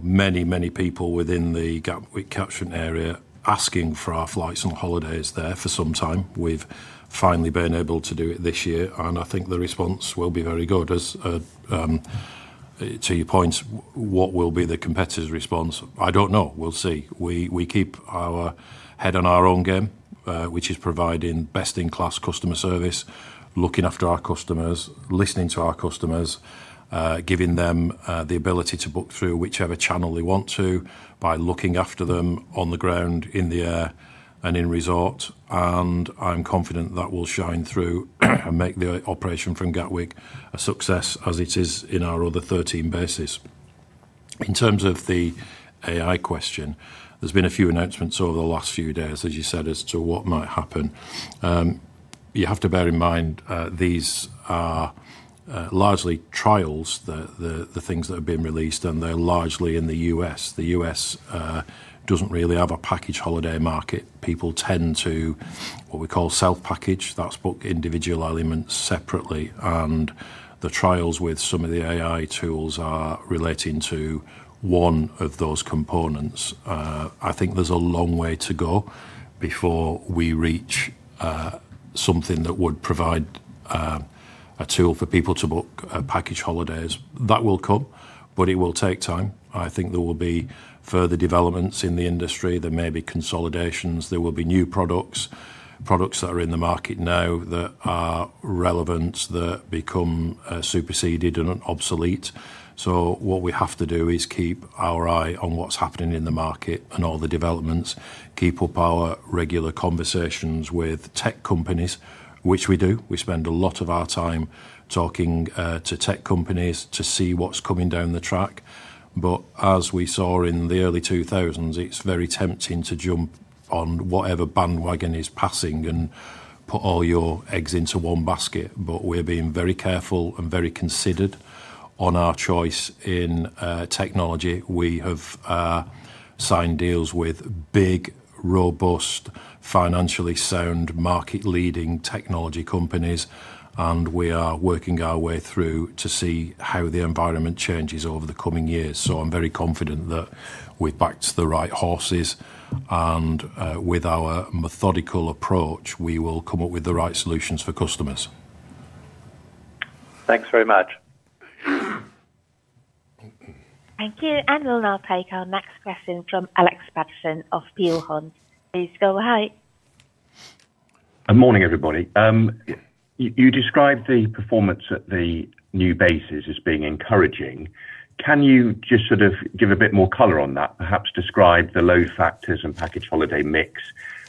A: many people within the Gatwick catchment area asking for our flights and holidays there for some time. We've finally been able to do it this year, and I think the response will be very good. To your points, what will be the competitor's response? I don't know. We'll see. We keep our head on our own game, which is providing best-in-class customer service, looking after our customers, listening to our customers, giving them the ability to book through whichever channel they want to by looking after them on the ground, in the air, and in resort. I'm confident that will shine through and make the operation from Gatwick a success as it is in our other 13 bases. In terms of the AI question, there's been a few announcements over the last few days, as you said, as to what might happen. You have to bear in mind these are largely trials, the things that are being released, and they're largely in the U.S. The U.S. doesn't really have a package holiday market. People tend to, what we call, self-package. That's book individual elements separately. The trials with some of the AI tools are relating to one of those components. I think there's a long way to go before we reach something that would provide a tool for people to book package holidays. That will come, but it will take time. I think there will be further developments in the industry. There may be consolidations. There will be new products, products that are in the market now that are relevant, that become superseded and obsolete. What we have to do is keep our eye on what's happening in the market and all the developments, keep up our regular conversations with tech companies, which we do. We spend a lot of our time talking to tech companies to see what's coming down the track. As we saw in the early 2000s, it's very tempting to jump on whatever bandwagon is passing and put all your eggs into one basket. We are being very careful and very considered on our choice in technology. We have signed deals with big, robust, financially sound, market-leading technology companies, and we are working our way through to see how the environment changes over the coming years. I'm very confident that we're back to the right horses, and with our methodical approach, we will come up with the right solutions for customers.
E: Thanks very much.
C: Thank you. We'll now take our next question from Alex Paterson of Peel Hunt. Please go ahead.
F: Good morning, everybody. You described the performance at the new bases as being encouraging. Can you just sort of give a bit more color on that, perhaps describe the load factors and package holiday mix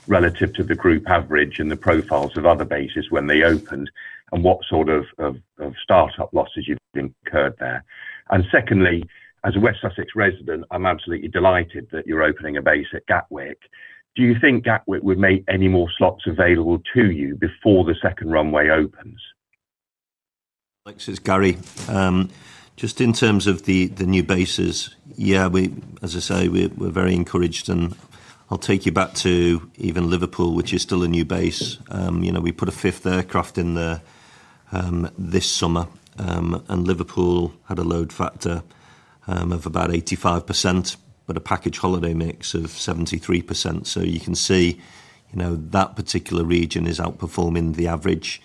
F: relative to the group average and the profiles of other bases when they opened, and what sort of startup losses you've incurred there? Secondly, as a West Sussex resident, I'm absolutely delighted that you're opening a base at Gatwick. Do you think Gatwick would make any more slots available to you before the second runway opens?
B: Thanks. It's Gary. Just in terms of the new bases, yeah, as I say, we're very encouraged, and I'll take you back to even Liverpool, which is still a new base. We put a fifth aircraft in there this summer, and Liverpool had a load factor of about 85%, but a package holiday mix of 73%. You can see that particular region is outperforming the average.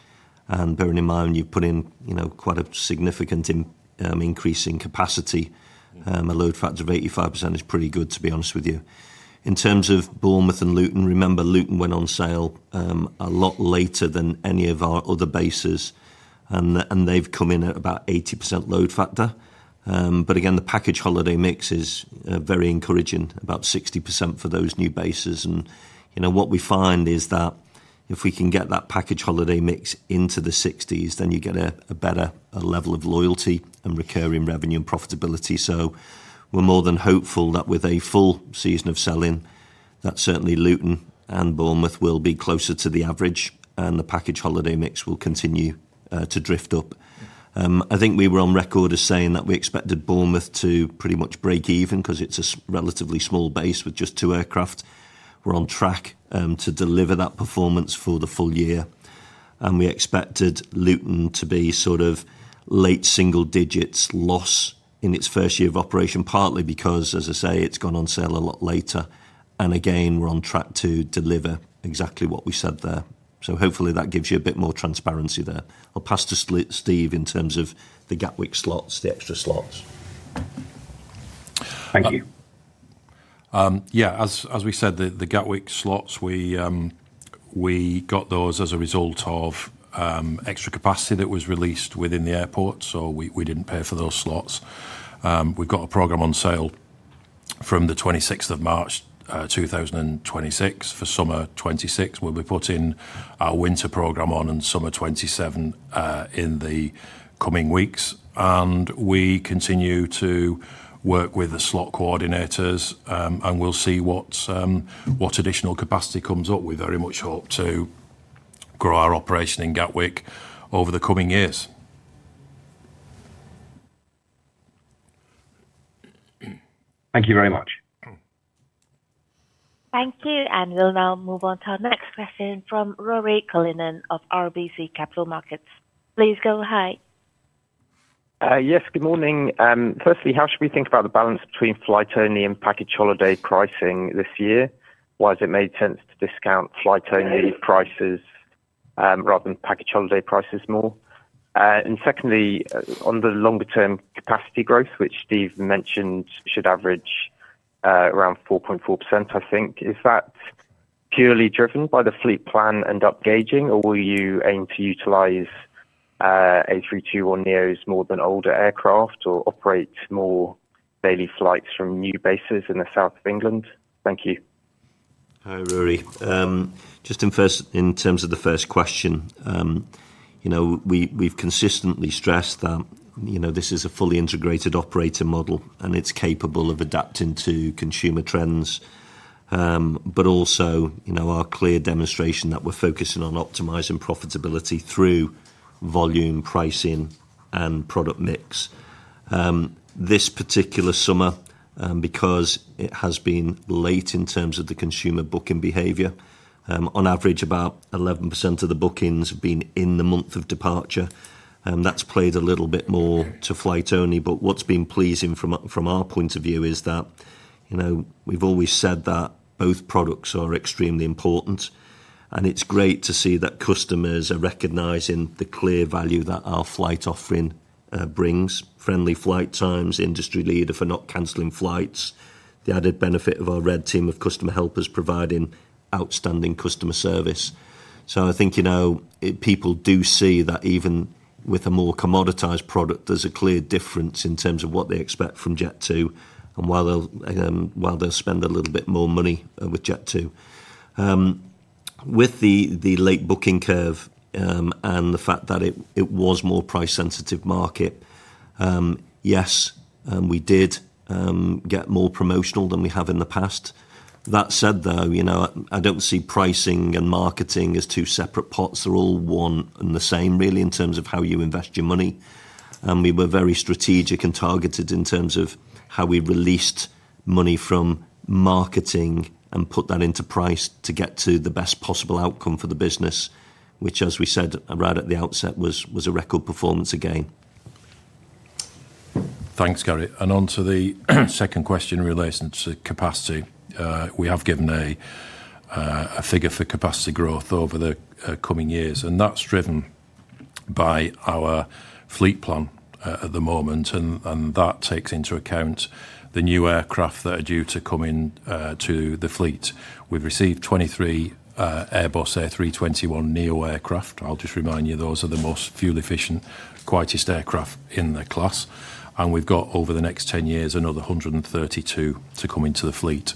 B: Bearing in mind you've put in quite a significant increase in capacity, a load factor of 85% is pretty good, to be honest with you. In terms of Bournemouth and Luton, remember, Luton went on sale a lot later than any of our other bases, and they've come in at about 80% load factor. Again, the package holiday mix is very encouraging, about 60% for those new bases. What we find is that if we can get that package holiday mix into the 60s, you get a better level of loyalty and recurring revenue and profitability. We are more than hopeful that with a full season of selling, certainly Luton and Bournemouth will be closer to the average, and the package holiday mix will continue to drift up. I think we were on record as saying that we expected Bournemouth to pretty much break even because it is a relatively small base with just two aircraft. We are on track to deliver that performance for the full year. We expected Luton to be sort of late single digits loss in its first year of operation, partly because, as I say, it has gone on sale a lot later. Again, we are on track to deliver exactly what we said there. Hopefully that gives you a bit more transparency there. I'll pass to Steve in terms of the Gatwick slots, the extra slots. Thank you.
A: Yeah, as we said, the Gatwick slots, we got those as a result of extra capacity that was released within the airport, so we didn't pay for those slots. We've got a program on sale from the 26th of March 2026 for summer 2026. We'll be putting our winter program on in summer 2027 in the coming weeks. We continue to work with the slot coordinators, and we'll see what additional capacity comes up. We very much hope to grow our operation in Gatwick over the coming years.
F: Thank you very much.
C: Thank you. We'll now move on to our next question from Rory Cullinan of RBC Capital Markets. Please go ahead.
G: Yes, good morning. Firstly, how should we think about the balance between flight-only and package holiday pricing this year? Why has it made sense to discount flight-only prices rather than package holiday prices more? Secondly, on the longer-term capacity growth, which Steve mentioned should average around 4.4%, I think, is that purely driven by the fleet plan and upgazing, or will you aim to utilize A321neos more than older aircraft or operate more daily flights from new bases in the south of England? Thank you.
B: Hi, Rory. Just in terms of the first question, we've consistently stressed that this is a fully integrated operating model, and it's capable of adapting to consumer trends, but also our clear demonstration that we're focusing on optimizing profitability through volume pricing and product mix. This particular summer, because it has been late in terms of the consumer booking behavior, on average, about 11% of the bookings have been in the month of departure. That has played a little bit more to flight-only. What has been pleasing from our point of view is that we have always said that both products are extremely important, and it is great to see that customers are recognizing the clear value that our flight offering brings: friendly flight times, industry leader for not canceling flights, the added benefit of our Red Team of customer helpers providing outstanding customer service. I think people do see that even with a more commoditized product, there is a clear difference in terms of what they expect from Jet2 and why they will spend a little bit more money with Jet2. With the late booking curve and the fact that it was a more price-sensitive market, yes, we did get more promotional than we have in the past. That said, though, I do not see pricing and marketing as two separate pots. They are all one and the same, really, in terms of how you invest your money. We were very strategic and targeted in terms of how we released money from marketing and put that into price to get to the best possible outcome for the business, which, as we said right at the outset, was a record performance again.
A: Thanks, Gary. On to the second question relating to capacity. We have given a figure for capacity growth over the coming years, and that is driven by our fleet plan at the moment. That takes into account the new aircraft that are due to come into the fleet. We've received 23 Airbus A321neo aircraft. I'll just remind you, those are the most fuel-efficient, quietest aircraft in the class. We've got, over the next 10 years, another 132 to come into the fleet.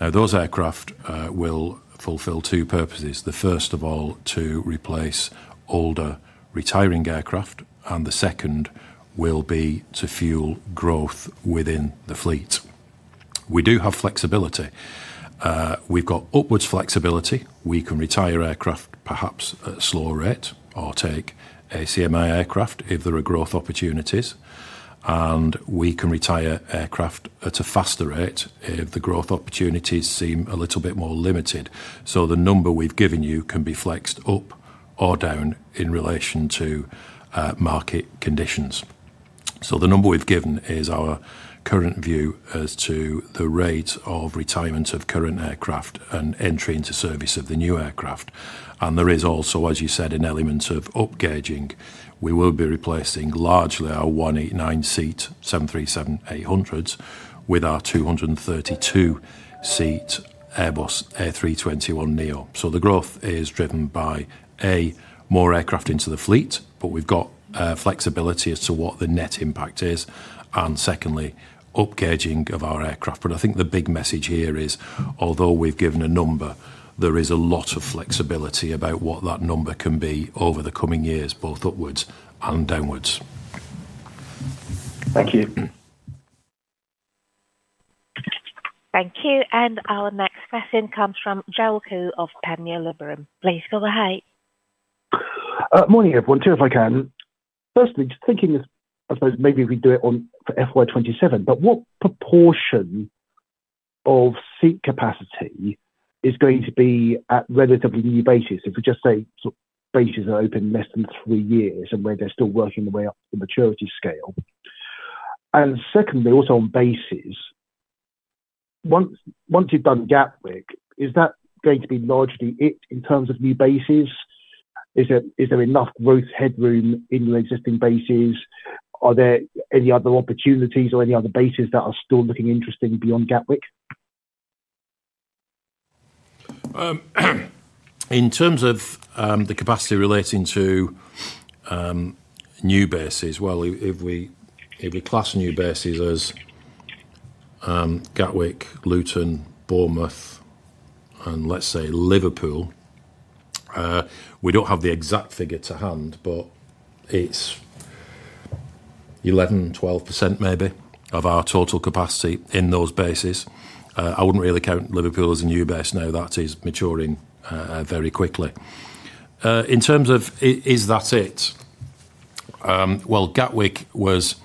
A: Now, those aircraft will fulfill two purposes. The first of all, to replace older retiring aircraft, and the second will be to fuel growth within the fleet. We do have flexibility. We've got upwards flexibility. We can retire aircraft perhaps at a slower rate or take ACMI aircraft if there are growth opportunities, and we can retire aircraft at a faster rate if the growth opportunities seem a little bit more limited. The number we've given you can be flexed up or down in relation to market conditions. The number we've given is our current view as to the rate of retirement of current aircraft and entry into service of the new aircraft. There is also, as you said, an element of upgazing. We will be replacing largely our 189-seat 737-800s with our 232-seat Airbus A321neo. The growth is driven by, A, more aircraft into the fleet, but we have flexibility as to what the net impact is, and secondly, upgazing of our aircraft. I think the big message here is, although we have given a number, there is a lot of flexibility about what that number can be over the coming years, both upwards and downwards.
G: Thank you.
C: Thank you. Our next question comes from Gerald Khoo of Panmure Liberum. Please go ahead.
H: Morning, everyone. Two if I can. Firstly, just thinking, I suppose, maybe we do it for FY 2027, but what proportion of seat capacity is going to be at relatively new bases? If we just say bases that open less than three years and where they're still working their way up to the maturity scale. Secondly, also on bases, once you've done Gatwick, is that going to be largely it in terms of new bases? Is there enough growth headroom in the existing bases? Are there any other opportunities or any other bases that are still looking interesting beyond Gatwick?
A: In terms of the capacity relating to new bases, if we class new bases as Gatwick, Luton, Bournemouth, and let's say Liverpool, we don't have the exact figure to hand, but it's 11%-12% maybe of our total capacity in those bases. I wouldn't really count Liverpool as a new base. No, that is maturing very quickly. In terms of, is that it? Gatwick was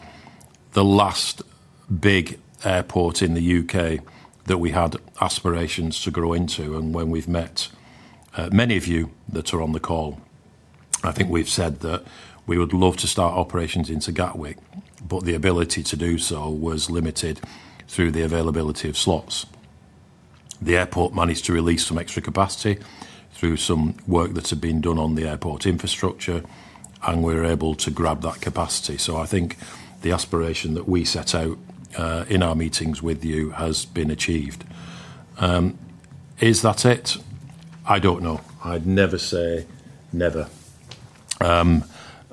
A: the last big airport in the U.K. that we had aspirations to grow into. When we've met many of you that are on the call, I think we've said that we would love to start operations into Gatwick, but the ability to do so was limited through the availability of slots. The airport managed to release some extra capacity through some work that had been done on the airport infrastructure, and we were able to grab that capacity. I think the aspiration that we set out in our meetings with you has been achieved. Is that it? I don't know. I'd never say never.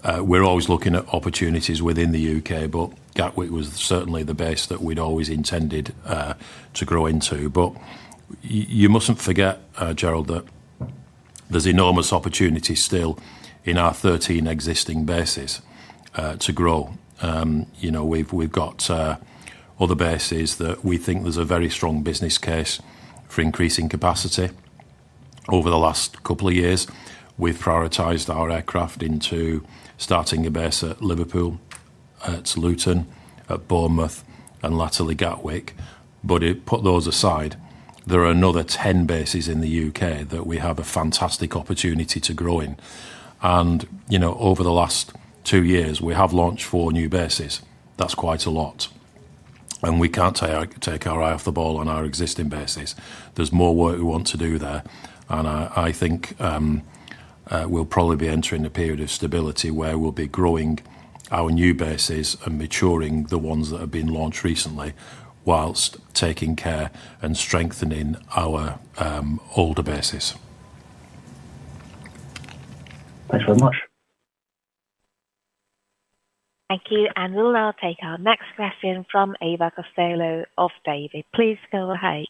A: We're always looking at opportunities within the U.K., but Gatwick was certainly the base that we'd always intended to grow into. You mustn't forget, Gerald, that there's enormous opportunity still in our 13 existing bases to grow. We've got other bases that we think there's a very strong business case for increasing capacity. Over the last couple of years, we've prioritized our aircraft into starting a base at Liverpool, at Luton, at Bournemouth, and laterally Gatwick. Put those aside, there are another 10 bases in the U.K. that we have a fantastic opportunity to grow in. Over the last two years, we have launched four new bases. That's quite a lot. We can't take our eye off the ball on our existing bases. There's more work we want to do there. I think we'll probably be entering a period of stability where we'll be growing our new bases and maturing the ones that have been launched recently whilst taking care and strengthening our older bases.
H: Thanks very much.
C: Thank you. We'll now take our next question from Ava Costello of Davy. Please go ahead.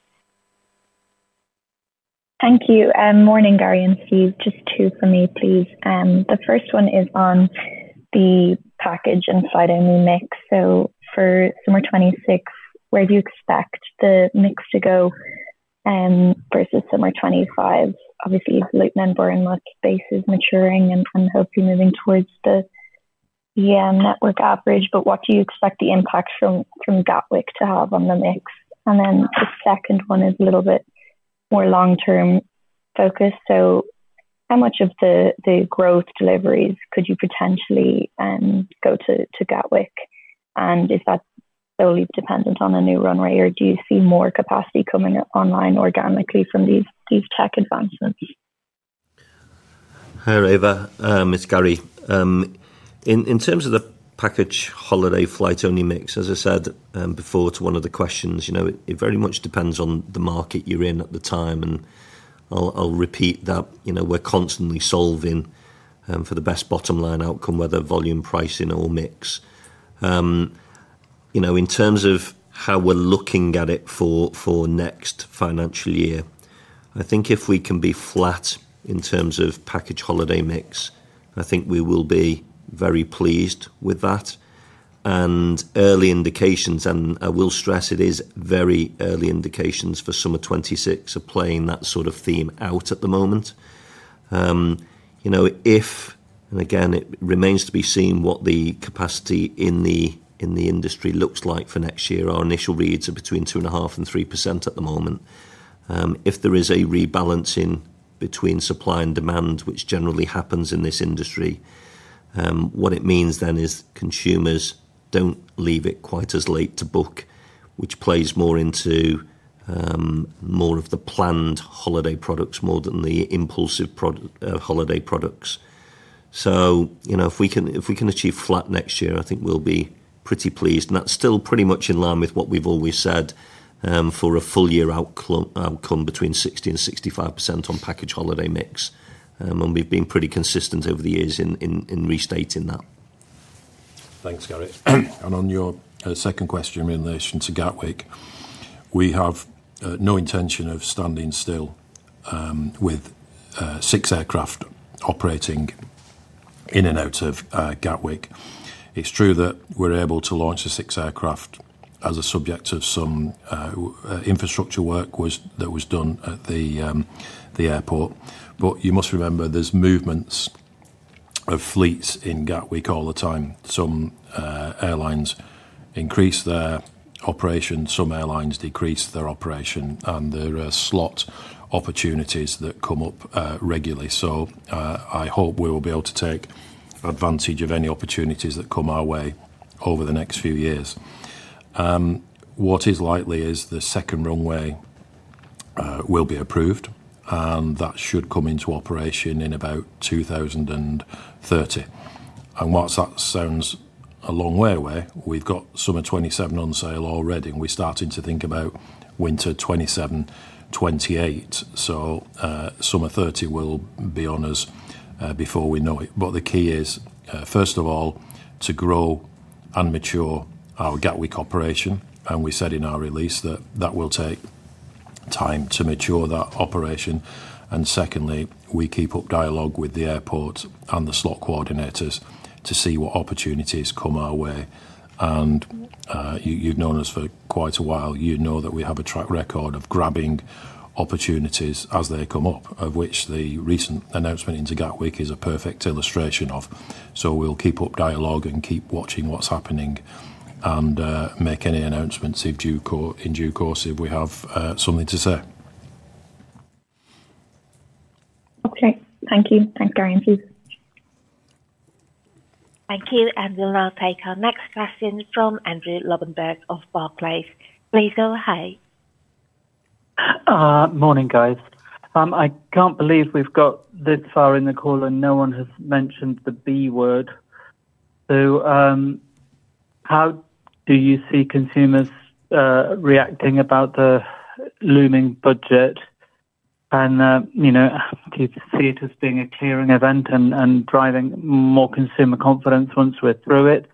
I: Thank you. Morning, Gary. And just two for me, please. The first one is on the package and flight-only mix. For summer 2026, where do you expect the mix to go versus summer 2025? Obviously, Luton and Bournemouth bases maturing and hopefully moving towards the EM network average. What do you expect the impact from Gatwick to have on the mix? The second one is a little bit more long-term focus. How much of the growth deliveries could you potentially go to Gatwick? Is that solely dependent on a new runway, or do you see more capacity coming online organically from these tech advancements?
B: Hi, Ava. It's Gary. In terms of the package holiday flight-only mix, as I said before to one of the questions, it very much depends on the market you're in at the time. I'll repeat that we're constantly solving for the best bottom line outcome, whether volume, pricing, or mix. In terms of how we're looking at it for next financial year, I think if we can be flat in terms of package holiday mix, I think we will be very pleased with that. Early indications, and I will stress it is very early indications for summer 2026, are playing that sort of theme out at the moment. If, and again, it remains to be seen what the capacity in the industry looks like for next year. Our initial reads are between 2.5%-3% at the moment. If there is a rebalancing between supply and demand, which generally happens in this industry, what it means then is consumers do not leave it quite as late to book, which plays more into more of the planned holiday products more than the impulsive holiday products. If we can achieve flat next year, I think we will be pretty pleased. That is still pretty much in line with what we have always said for a full year outcome between 60%-65% on package holiday mix. We have been pretty consistent over the years in restating that.
A: Thanks, Gary. On your second question in relation to Gatwick, we have no intention of standing still with six aircraft operating in and out of Gatwick. It is true that we are able to launch the six aircraft as a subject of some infrastructure work that was done at the airport. You must remember there are movements of fleets in Gatwick all the time. Some airlines increase their operations, some airlines decrease their operation, and there are slot opportunities that come up regularly. I hope we will be able to take advantage of any opportunities that come our way over the next few years. What is likely is the second runway will be approved, and that should come into operation in about 2030. While that sounds a long way away, we have summer 2027 on sale already, and we are starting to think about winter 2027, 2028. Summer 2030 will be on us before we know it. The key is, first of all, to grow and mature our Gatwick operation. We said in our release that it will take time to mature that operation. Secondly, we keep up dialogue with the airport and the slot coordinators to see what opportunities come our way. You have known us for quite a while. You know that we have a track record of grabbing opportunities as they come up, of which the recent announcement into Gatwick is a perfect illustration of. We will keep up dialogue and keep watching what is happening and make any announcements in due course if we have something to say.
I: Thank you. Thanks, Gary.
C: Thank you. We will now take our next question from Andrew Lobbenberg of Barclays. Please go ahead.
J: Morning, guys. I cannot believe we have got this far in the call and no one has mentioned the B word. How do you see consumers reacting about the looming budget? Do you see it as being a clearing event and driving more consumer confidence once we are through it?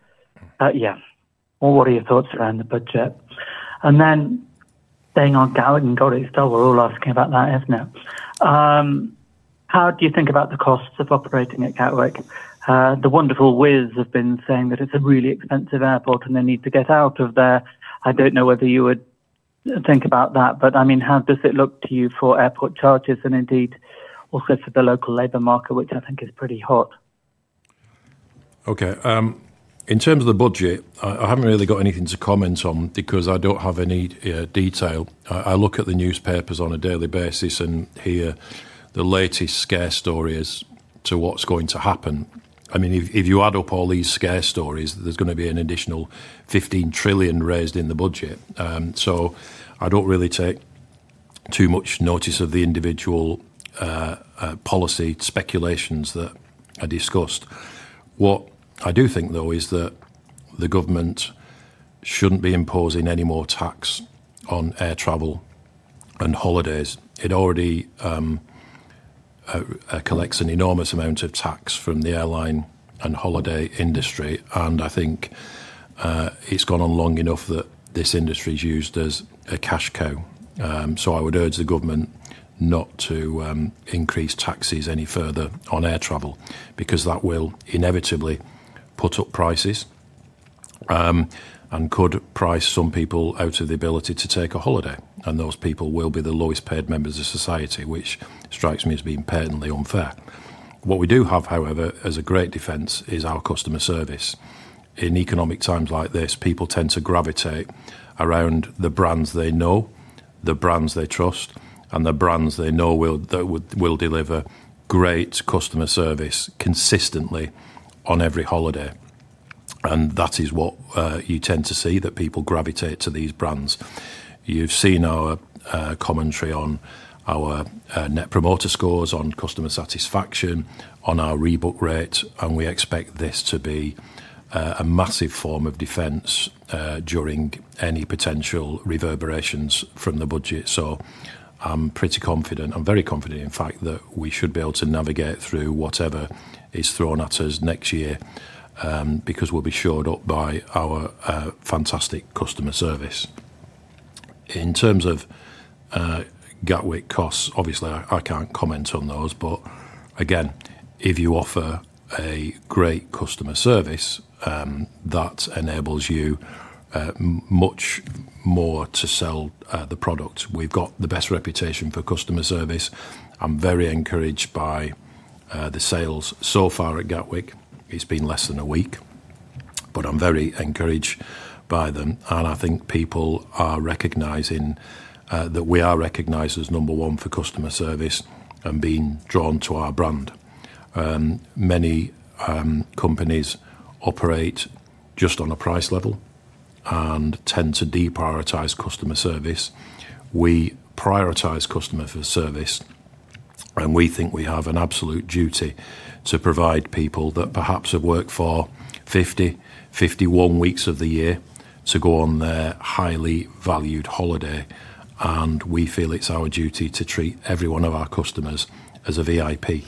J: Yeah. What are your thoughts around the budget? And then being on Gary and Gary's stuff, we're all asking about that, isn't it? How do you think about the costs of operating at Gatwick? The wonderful Wizz have been saying that it's a really expensive airport and they need to get out of there. I don't know whether you would think about that, but I mean, how does it look to you for airport charges and indeed also for the local labor market, which I think is pretty hot?
A: Okay. In terms of the budget, I haven't really got anything to comment on because I don't have any detail. I look at the newspapers on a daily basis and hear the latest scare stories to what's going to happen. I mean, if you add up all these scare stories, there's going to be an additional 15 trillion raised in the budget. I don't really take too much notice of the individual policy speculations that I discussed. What I do think, though, is that the government shouldn't be imposing any more tax on air travel and holidays. It already collects an enormous amount of tax from the airline and holiday industry. I think it's gone on long enough that this industry is used as a cash cow. I would urge the government not to increase taxes any further on air travel because that will inevitably put up prices and could price some people out of the ability to take a holiday. Those people will be the lowest paid members of society, which strikes me as being patently unfair. What we do have, however, as a great defense is our customer service. In economic times like this, people tend to gravitate around the brands they know, the brands they trust, and the brands they know will deliver great customer service consistently on every holiday. That is what you tend to see, that people gravitate to these brands. You've seen our commentary on our Net Promoter Scores, on customer satisfaction, on our rebook rate. We expect this to be a massive form of defense during any potential reverberations from the budget. I'm pretty confident, I'm very confident, in fact, that we should be able to navigate through whatever is thrown at us next year because we'll be shored up by our fantastic customer service. In terms of Gatwick costs, obviously, I can't comment on those. If you offer a great customer service, that enables you much more to sell the product. We've got the best reputation for customer service. I'm very encouraged by the sales so far at Gatwick. It's been less than a week, but I'm very encouraged by them. I think people are recognizing that we are recognized as number one for customer service and being drawn to our brand. Many companies operate just on a price level and tend to deprioritize customer service. We prioritize customer service, and we think we have an absolute duty to provide people that perhaps have worked for 50, 51 weeks of the year to go on their highly valued holiday. We feel it's our duty to treat every one of our customers as a VIP,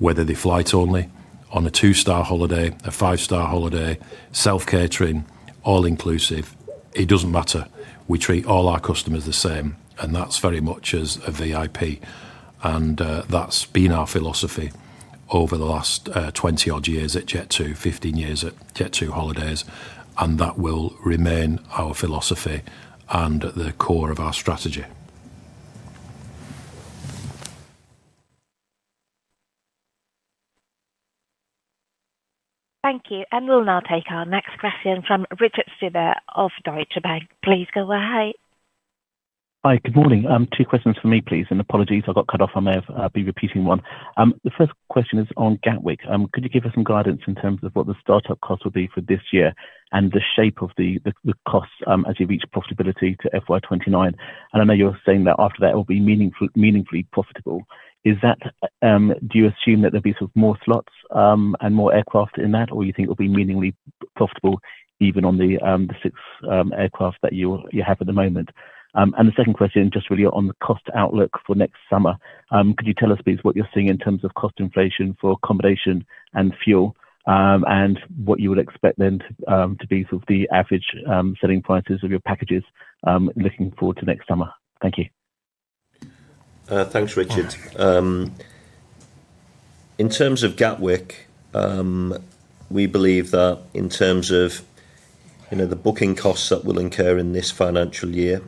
A: whether they fly to only on a two-star holiday, a five-star holiday, self-catering, all-inclusive. It doesn't matter. We treat all our customers the same. That is very much as a VIP. That has been our philosophy over the last 20-odd years at Jet2, 15 years at Jet2holidays. That will remain our philosophy and the core of our strategy.
C: Thank you. We will now take our next question from Richard Stewart of Deutsche Bank. Please go ahead.
K: Hi. Good morning. Two questions for me, please. Apologies, I got cut off. I may have been repeating one. The first question is on Gatwick. Could you give us some guidance in terms of what the startup cost would be for this year and the shape of the costs as you reach profitability to FY 2029? I know you are saying that after that, it will be meaningfully profitable. Do you assume that there'll be sort of more slots and more aircraft in that, or do you think it'll be meaningfully profitable even on the six aircraft that you have at the moment? The second question, just really on the cost outlook for next summer, could you tell us, please, what you're seeing in terms of cost inflation for accommodation and fuel and what you would expect then to be sort of the average selling prices of your packages looking forward to next summer? Thank you.
B: Thanks, Richard. In terms of Gatwick, we believe that in terms of the booking costs that will incur in this financial year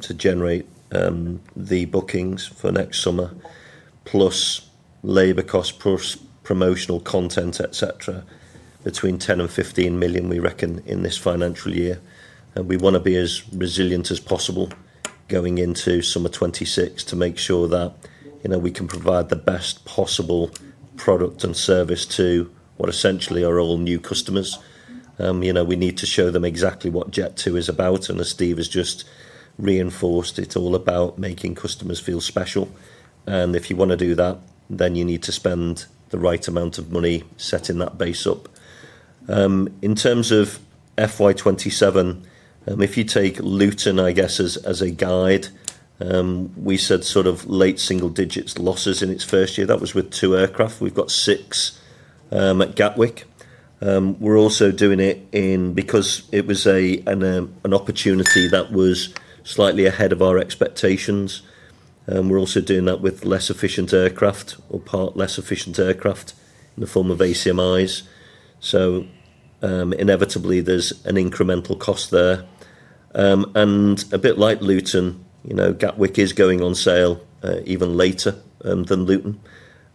B: to generate the bookings for next summer, plus labor costs, plus promotional content, etc., between 10 million-15 million, we reckon, in this financial year. We want to be as resilient as possible going into summer 2026 to make sure that we can provide the best possible product and service to what essentially are all new customers. We need to show them exactly what Jet2 is about. As Steve has just reinforced, it's all about making customers feel special. If you want to do that, then you need to spend the right amount of money setting that base up. In terms of FY 2027, if you take Luton, I guess, as a guide, we said sort of late single-digit losses in its first year. That was with two aircraft. We have six at Gatwick. We are also doing it because it was an opportunity that was slightly ahead of our expectations. We are also doing that with less efficient aircraft or part less efficient aircraft in the form of ACMIs. Inevitably, there is an incremental cost there. A bit like Luton, Gatwick is going on sale even later than Luton.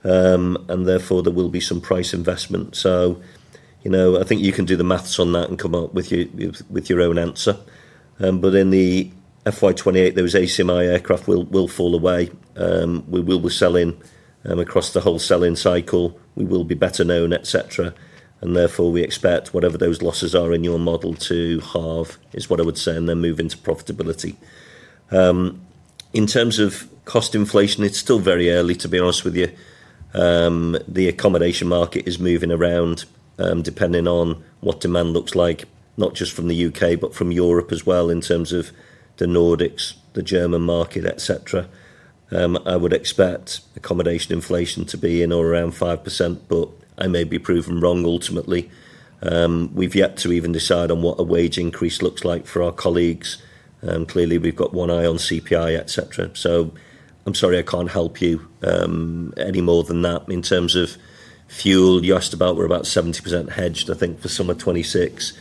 B: Therefore, there will be some price investment. I think you can do the maths on that and come up with your own answer. In FY 2028, those ACMI aircraft will fall away. We will be selling across the whole selling cycle. We will be better known, etc. Therefore, we expect whatever those losses are in your model to halve, is what I would say, and then move into profitability. In terms of cost inflation, it is still very early, to be honest with you. The accommodation market is moving around depending on what demand looks like, not just from the U.K., but from Europe as well in terms of the Nordics, the German market, etc. I would expect accommodation inflation to be in or around 5%, but I may be proven wrong ultimately. We've yet to even decide on what a wage increase looks like for our colleagues. Clearly, we've got one eye on CPI, etc. I'm sorry, I can't help you any more than that. In terms of fuel, you asked about, we're about 70% hedged, I think, for summer 2026.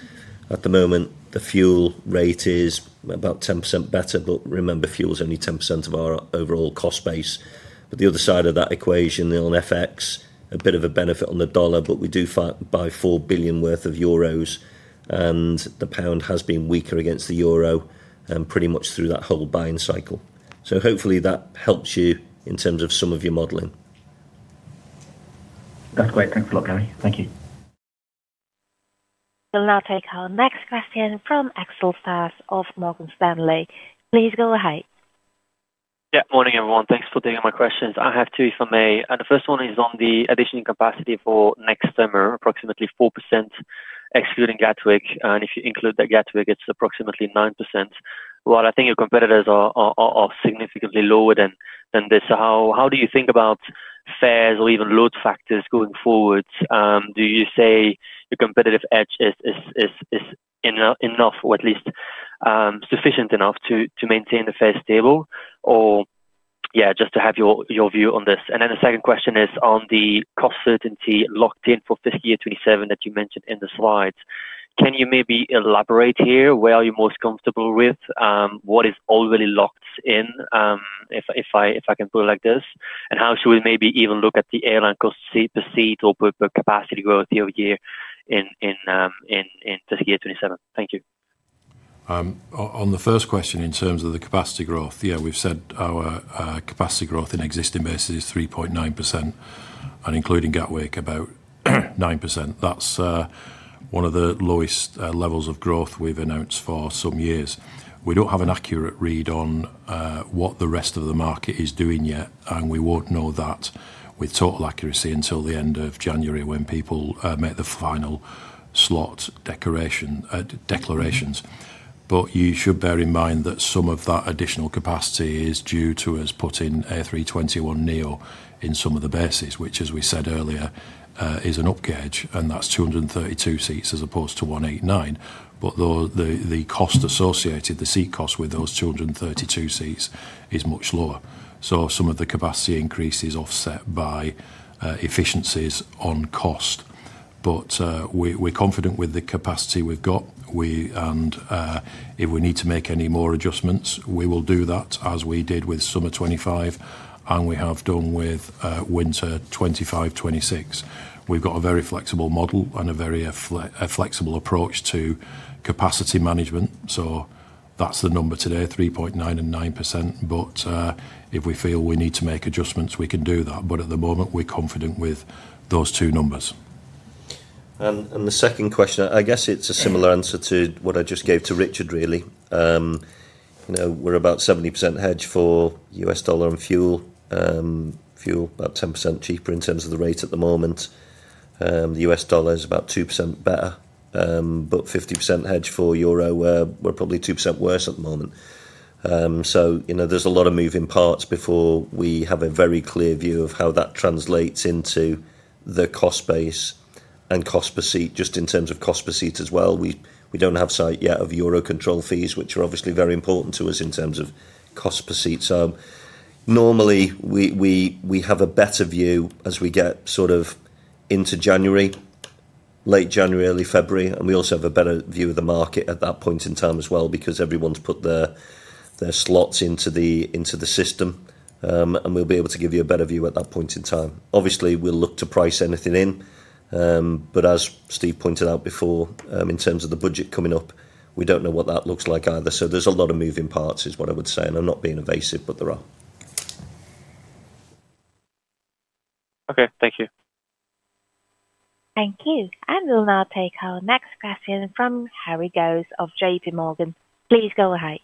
B: At the moment, the fuel rate is about 10% better, but remember, fuel is only 10% of our overall cost base. The other side of that equation, on FX, a bit of a benefit on the dollar, but we do buy 4 billion worth of euros. The pound has been weaker against the euro pretty much through that whole buying cycle. Hopefully, that helps you in terms of some of your modeling.
K: That's great. Thanks a lot, Gary. Thank you.
C: We'll now take our next question from Axel Stasse of Morgan Stanley. Please go ahead.
L: Yeah. Morning, everyone. Thanks for taking my questions. I have two if I may. The first one is on the additional capacity for next summer, approximately 4% excluding Gatwick. If you include Gatwick, it's approximately 9%. I think your competitors are significantly lower than this. How do you think about fares or even load factors going forward? Do you say your competitive edge is enough or at least sufficient enough to maintain the fare stable or, yeah, just to have your view on this? The second question is on the cost certainty locked in for FY 2027 that you mentioned in the slides. Can you maybe elaborate here? Where are you most comfortable with? What is already locked in, if I can put it like this? How should we maybe even look at the airline cost per seat or per capacity growth year over year in FY 2027? Thank you.
A: On the first question in terms of the capacity growth, yeah, we've said our capacity growth in existing bases is 3.9% and including Gatwick, about 9%. That's one of the lowest levels of growth we've announced for some years. We don't have an accurate read on what the rest of the market is doing yet, and we won't know that with total accuracy until the end of January when people make the final slot declarations. You should bear in mind that some of that additional capacity is due to us putting A321neo in some of the bases, which, as we said earlier, is an up gauge, and that is 232 seats as opposed to 189. The cost associated, the seat cost with those 232 seats, is much lower. Some of the capacity increase is offset by efficiencies on cost. We are confident with the capacity we have got. If we need to make any more adjustments, we will do that as we did with summer 2025 and we have done with winter 2025, 2026. We have a very flexible model and a very flexible approach to capacity management. That is the number today, 3.9% and 9%. If we feel we need to make adjustments, we can do that. At the moment, we are confident with those two numbers.
B: The second question, I guess it's a similar answer to what I just gave to Richard, really. We're about 70% hedged for US dollar and fuel. Fuel about 10% cheaper in terms of the rate at the moment. The U.S. dollar is about 2% better, but 50% hedged for euro, we're probably 2% worse at the moment. There are a lot of moving parts before we have a very clear view of how that translates into the cost base and cost per seat. Just in terms of cost per seat as well, we don't have sight yet of euro control fees, which are obviously very important to us in terms of cost per seat. Normally, we have a better view as we get sort of into January, late January, early February. We also have a better view of the market at that point in time as well because everyone's put their slots into the system. We'll be able to give you a better view at that point in time. Obviously, we'll look to price anything in. As Steve pointed out before, in terms of the budget coming up, we don't know what that looks like either. There are a lot of moving parts, is what I would say. I'm not being evasive, but there are.
L: Okay. Thank you.
C: Thank you. We'll now take our next question from Harry Gowers of JPMorgan. Please go ahead.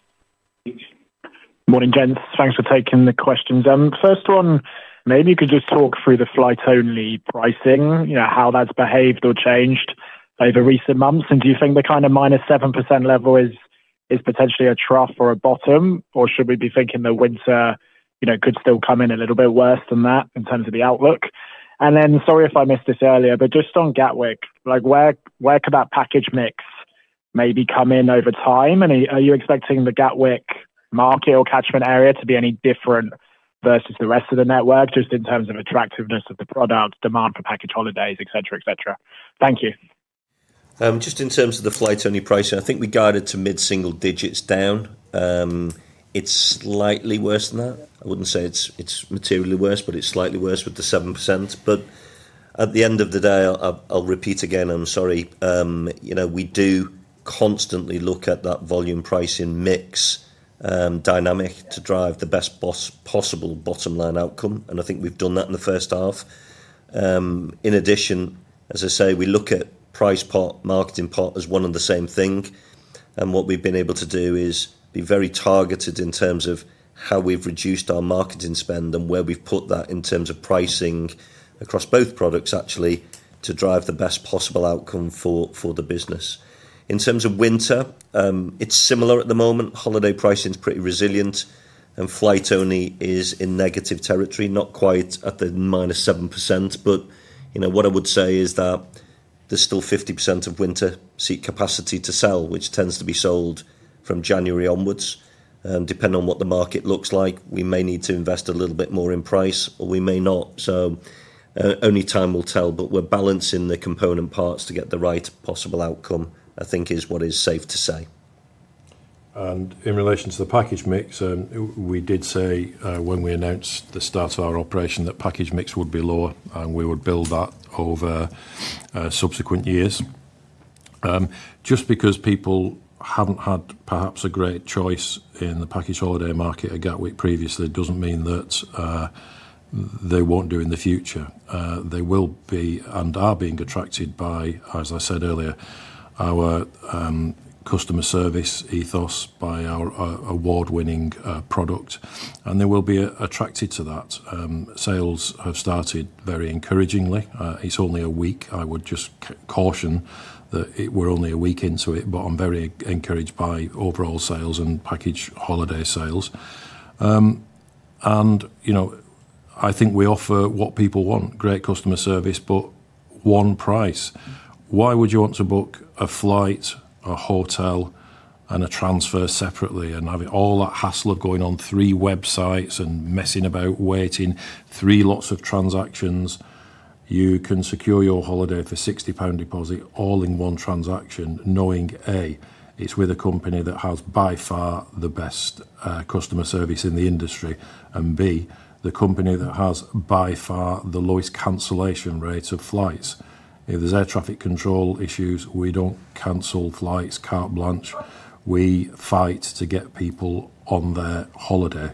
M: Morning, gents. Thanks for taking the questions. First one, maybe you could just talk through the flight-only pricing, how that's behaved or changed over recent months. Do you think the kind of -7% level is potentially a trough or a bottom, or should we be thinking the winter could still come in a little bit worse than that in terms of the outlook? Sorry if I missed this earlier, but just on Gatwick, where could that package mix maybe come in over time? Are you expecting the Gatwick market or catchment area to be any different versus the rest of the network, just in terms of attractiveness of the product, demand for package holidays, etc., etc.? Thank you.
B: Just in terms of the flight-only pricing, I think we guided to mid-single digits down. It is slightly worse than that. I would not say it is materially worse, but it is slightly worse with the 7%. At the end of the day, I will repeat again, I am sorry. We do constantly look at that volume pricing mix dynamic to drive the best possible bottom line outcome. I think we've done that in the first half. In addition, as I say, we look at price part, marketing part as one and the same thing. What we've been able to do is be very targeted in terms of how we've reduced our marketing spend and where we've put that in terms of pricing across both products, actually, to drive the best possible outcome for the business. In terms of winter, it's similar at the moment. Holiday pricing is pretty resilient, and flight-only is in negative territory, not quite at the -7%. What I would say is that there's still 50% of winter seat capacity to sell, which tends to be sold from January onwards. Depending on what the market looks like, we may need to invest a little bit more in price, or we may not. Only time will tell, but we're balancing the component parts to get the right possible outcome, I think, is what is safe to say.
A: In relation to the package mix, we did say when we announced the start of our operation that package mix would be lower, and we would build that over subsequent years. Just because people haven't had perhaps a great choice in the package holiday market at Gatwick previously doesn't mean that they won't do in the future. They will be and are being attracted by, as I said earlier, our customer service ethos by our award-winning product. They will be attracted to that. Sales have started very encouragingly. It's only a week. I would just caution that we're only a week into it, but I'm very encouraged by overall sales and package holiday sales. I think we offer what people want: great customer service, but one price. Why would you want to book a flight, a hotel, and a transfer separately and have all that hassle of going on three websites and messing about, waiting three lots of transactions? You can secure your holiday for 60 pound deposit all in one transaction, knowing A, it's with a company that has by far the best customer service in the industry, and B, the company that has by far the lowest cancellation rates of flights. If there's air traffic control issues, we don't cancel flights, carte blanche. We fight to get people on their holiday.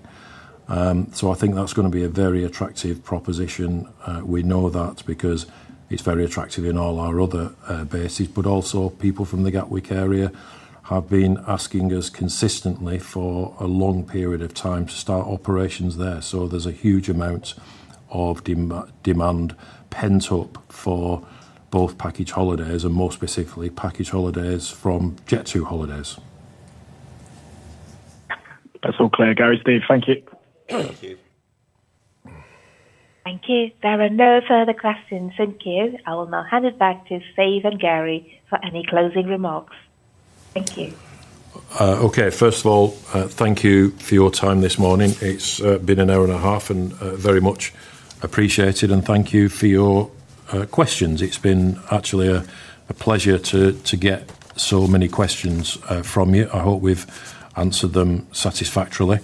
A: I think that's going to be a very attractive proposition. We know that because it's very attractive in all our other bases. Also, people from the Gatwick area have been asking us consistently for a long period of time to start operations there. There is a huge amount of demand pent up for both package holidays and, more specifically, package holidays from Jet2holidays.
M: That's all clear. Gary's there.
C: Thank you. There are no further questions. Thank you. I will now hand it back to Steve and Gary for any closing remarks. Thank you.
A: First of all, thank you for your time this morning. It's been an hour and a half and very much appreciated. Thank you for your questions. It's been actually a pleasure to get so many questions from you. I hope we've answered them satisfactorily.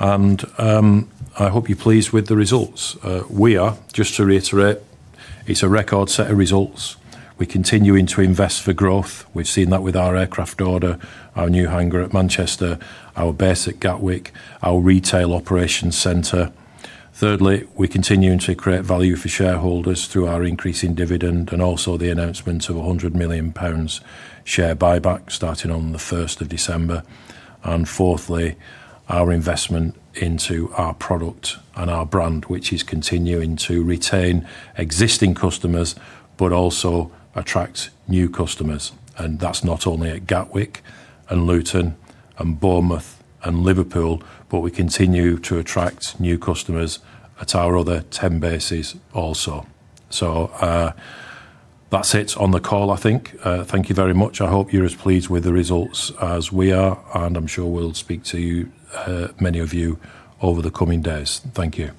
A: I hope you're pleased with the results. We are, just to reiterate, it is a record set of results. We are continuing to invest for growth. We have seen that with our aircraft order, our new hangar at Manchester, our base at Gatwick, our retail operations center. Thirdly, we are continuing to create value for shareholders through our increasing dividend and also the announcement of a 100 million pounds share buyback starting on the 1st of December. Fourthly, our investment into our product and our brand, which is continuing to retain existing customers but also attract new customers. That is not only at Gatwick and Luton and Bournemouth and Liverpool, but we continue to attract new customers at our other 10 bases also. That is it on the call, I think. Thank you very much. I hope you are as pleased with the results as we are. I am sure we will speak to many of you over the coming days. Thank you.